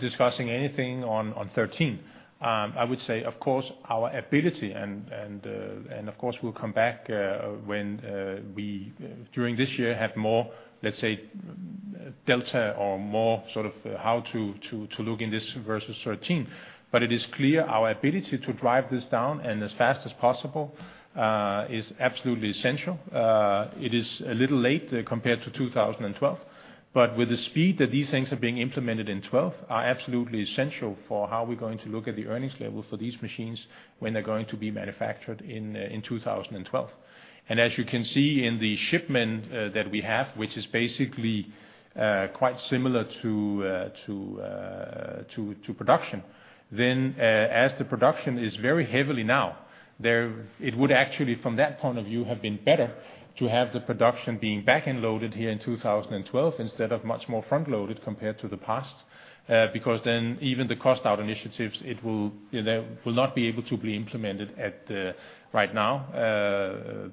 discussing anything on 2013, I would say, of course, our ability and of course, we'll come back when we during this year have more, let's say, delta or more sort of how to look in this versus 2013. But it is clear our ability to drive this down and as fast as possible is absolutely essential. It is a little late, compared to 2012. But with the speed that these things are being implemented in 2012 are absolutely essential for how we're going to look at the earnings level for these machines when they're going to be manufactured in 2012. As you can see in the shipment that we have, which is basically quite similar to production, then as the production is very heavily now, there it would actually, from that point of view, have been better to have the production being back-end loaded here in 2012 instead of much more front-loaded compared to the past, because then even the cost-out initiatives, it will you know, they will not be able to be implemented at right now,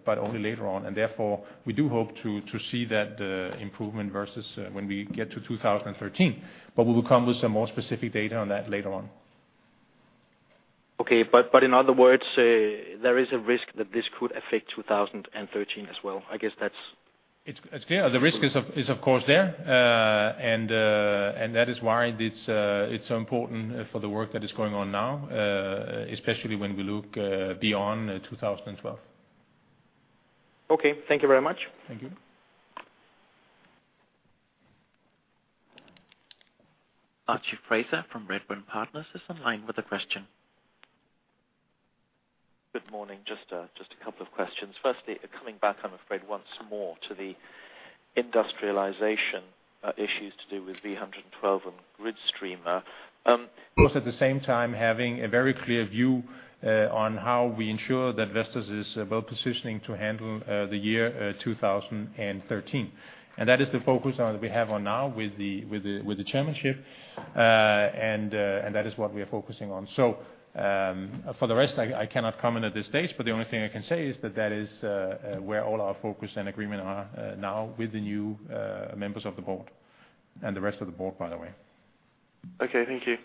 but only later on. And therefore, we do hope to see that improvement versus when we get to 2013. But we will come with some more specific data on that later on. Okay. But in other words, there is a risk that this could affect 2013 as well. I guess that's. It's clear. The risk is, of course, there. And that is why it's so important for the work that is going on now, especially when we look beyond 2012. Okay. Thank you very much. Thank you. Archie Fraser from Redburn Partners is online with a question. Good morning. Just a couple of questions. Firstly, coming back, I'm afraid, once more to the industrialization issues to do with V112 and GridStreamer. Also at the same time having a very clear view on how we ensure that Vestas is well-positioning to handle the year 2013. And that is the focus that we have now with the chairmanship. And that is what we are focusing on. So, for the rest, I cannot comment at this stage. But the only thing I can say is that that is, where all our focus and agreement are, now with the new, members of the board and the rest of the board, by the way. Okay. Thank you.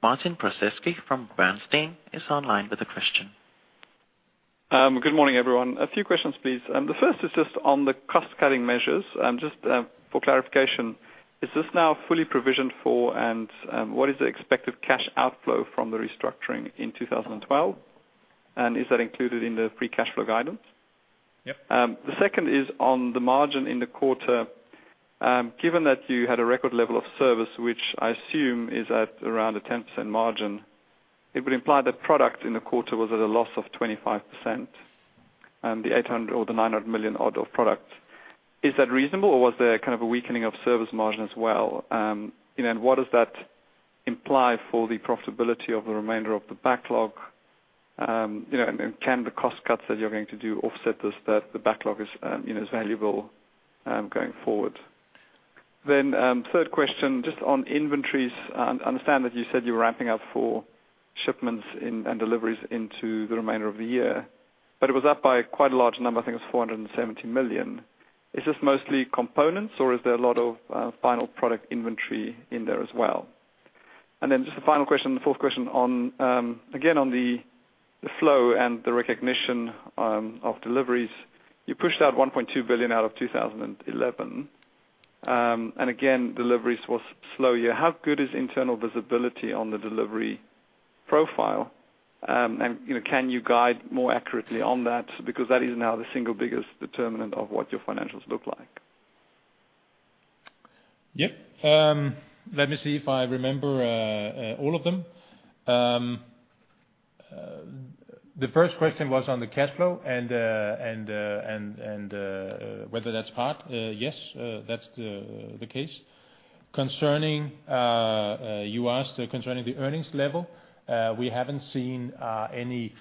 Martin Prozesky from Bernstein is online with a question. Good morning, everyone. A few questions, please. The first is just on the cost-cutting measures. Just, for clarification, is this now fully provisioned for and, what is the expected cash outflow from the restructuring in 2012? And is that included in the free cash flow guidance? Yep. The second is on the margin in the quarter. Given that you had a record level of service, which I assume is at around a 10% margin, it would imply that product in the quarter was at a loss of 25%, the 800 million or the 900 million odd of product. Is that reasonable, or was there kind of a weakening of service margin as well? You know, and what does that imply for the profitability of the remainder of the backlog? You know, and, and can the cost cuts that you're going to do offset this, that the backlog is, you know, is valuable, going forward? Then, third question just on inventories. I understand that you said you were ramping up for shipments in and deliveries into the remainder of the year. But it was up by quite a large number. I think it was 470 million. Is this mostly components, or is there a lot of, final product inventory in there as well? And then just the final question, the fourth question on, again, on the, the flow and the recognition, of deliveries. You pushed out 1.2 billion out of 2011. And again, deliveries was slow here. How good is internal visibility on the delivery profile? And you know, can you guide more accurately on that because that is now the single biggest determinant of what your financials look like? Yep. Let me see if I remember all of them. The first question was on the cash flow and whether that's part. Yes. That's the case. Concerning the earnings level you asked concerning, we haven't seen any,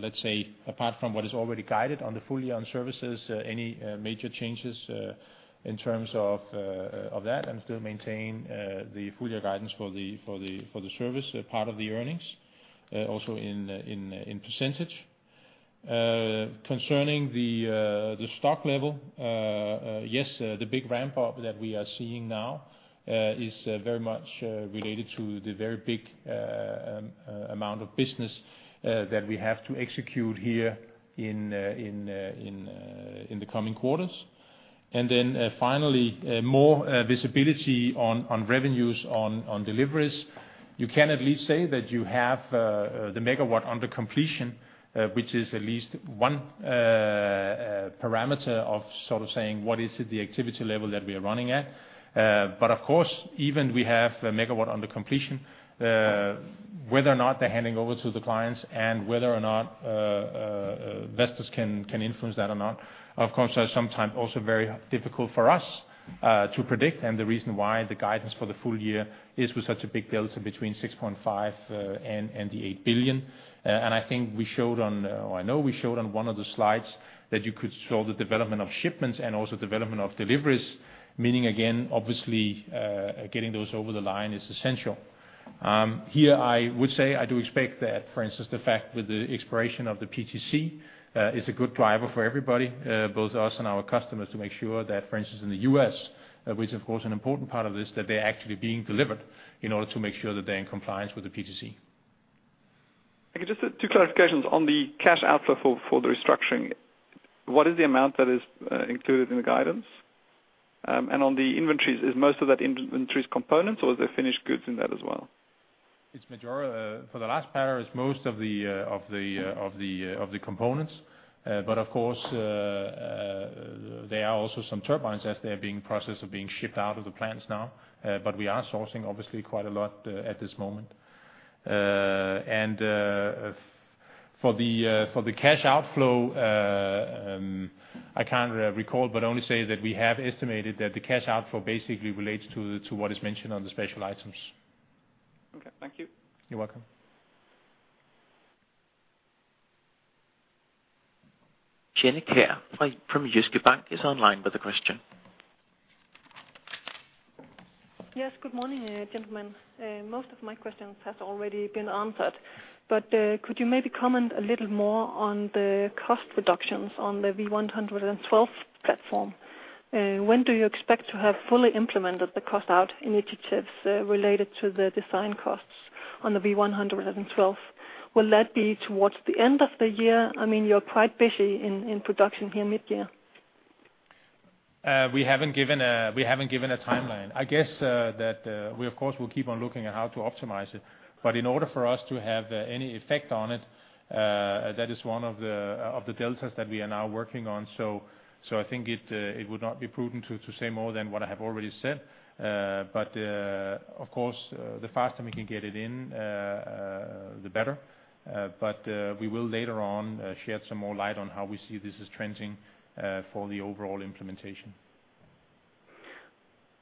let's say, apart from what is already guided on the full-year on services, any major changes in terms of that. And still maintain the full-year guidance for the service part of the earnings, also in percentage. Concerning the stock level, yes, the big ramp-up that we are seeing now is very much related to the very big amount of business that we have to execute here in the coming quarters. And then, finally, more visibility on revenues on deliveries. You can at least say that you have the megawatt under completion, which is at least one parameter of sort of saying what is the activity level that we are running at. But of course, even we have a megawatt under completion, whether or not they're handing over to the clients and whether or not Vestas can influence that or not, of course, are sometimes also very difficult for us to predict. And the reason why the guidance for the full year is with such a big delta between 6.5 billion and EUR 8 billion. I think we showed on, or I know we showed on one of the slides that you could show the development of shipments and also development of deliveries, meaning, again, obviously, getting those over the line is essential. Here, I would say I do expect that, for instance, the fact with the expiration of the PTC, is a good driver for everybody, both us and our customers, to make sure that, for instance, in the U.S., which, of course, an important part of this, that they're actually being delivered in order to make sure that they're in compliance with the PTC. I guess just two clarifications. On the cash outflow for the restructuring, what is the amount that is included in the guidance? And on the inventories, is most of that inventory's components, or is there finished goods in that as well? It's major for the last pattern, it's most of the components. But of course, there are also some turbines as they're being processed or being shipped out of the plants now. But we are sourcing, obviously, quite a lot, at this moment. And for the cash outflow, I can't recall but only say that we have estimated that the cash outflow basically relates to what is mentioned on the special items. Okay. Thank you. You're welcome. Janne Vincent Kjaer from Jyske Bank is online with a question. Yes. Good morning, gentlemen. Most of my questions have already been answered. But could you maybe comment a little more on the cost reductions on the V112 platform? When do you expect to have fully implemented the cost-out initiatives, related to the design costs on the V112? Will that be towards the end of the year? I mean, you're quite busy in production here mid-year. We haven't given a timeline. I guess that we, of course, will keep on looking at how to optimize it. But in order for us to have any effect on it, that is one of the deltas that we are now working on. So I think it would not be prudent to say more than what I have already said. But, of course, the faster we can get it in, the better. But we will later on shed some more light on how we see this is trending for the overall implementation.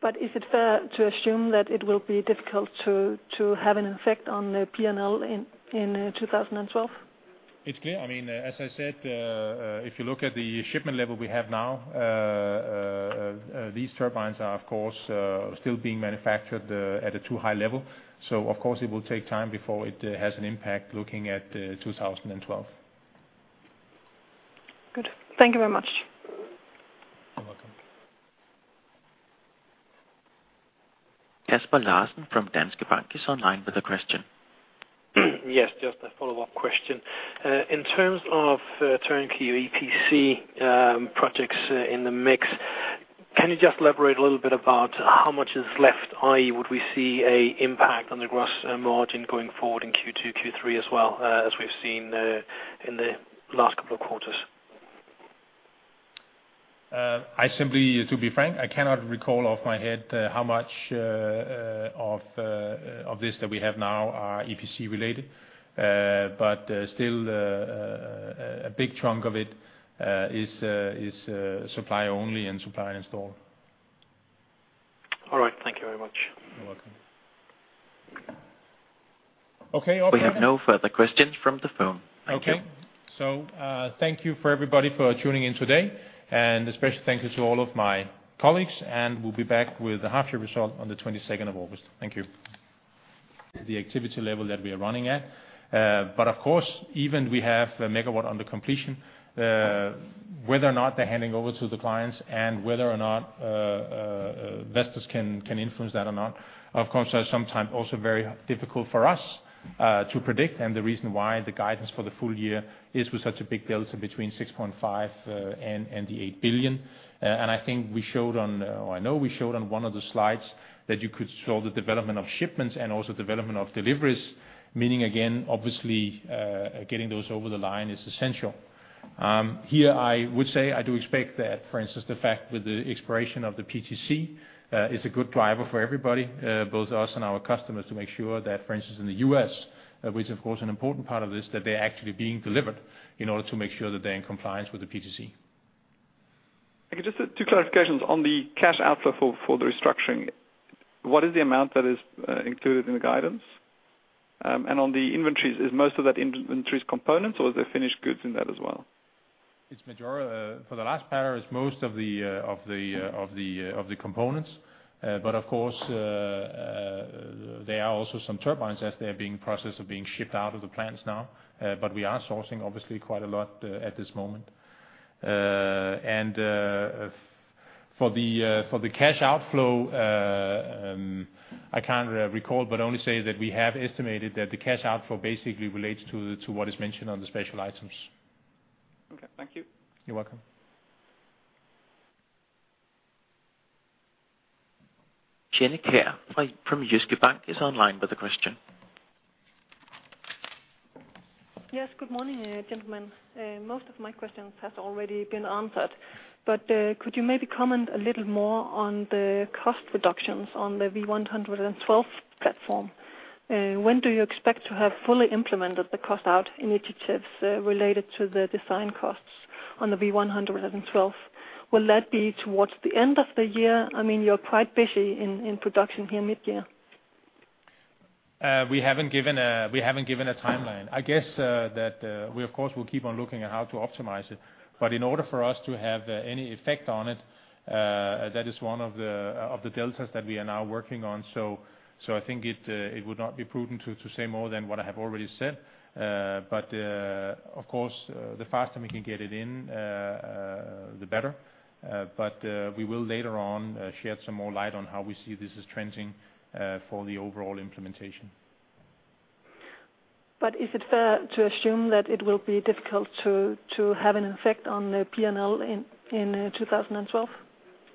But is it fair to assume that it will be difficult to have an effect on the P&L in 2012?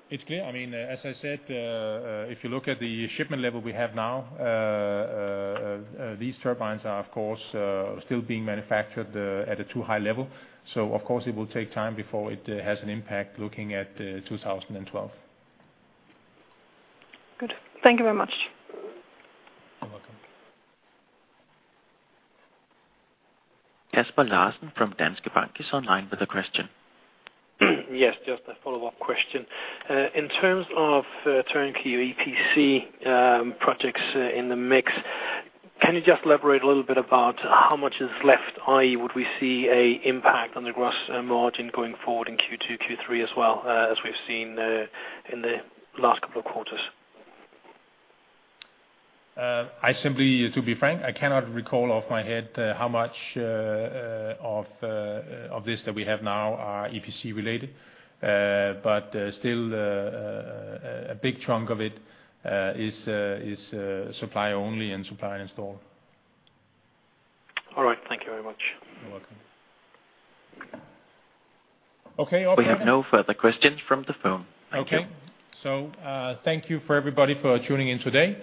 It's clear. I mean, as I said, if you look at the shipment level we have now, these turbines are, of course, still being manufactured at a too high level. So, of course, it will take time before it has an impact looking at 2012. Good. Thank you very much. You're welcome. Kasper Larsen from Danske Bank is online with a question. Yes. Just a follow-up question. In terms of turnkey EPC projects in the mix, can you just elaborate a little bit about how much is left? I.e., would we see an impact on the gross margin going forward in Q2, Q3 as well as we've seen in the last couple of quarters? I simply, to be frank, I cannot recall off my head how much of this that we have now are EPC-related. But still, a big chunk of it is supply-only and supply-and-install. All right. Thank you very much. You're welcome. Okay. Operator. We have no further questions from the phone. Thank you. Okay. So, thank you for everybody for tuning in today.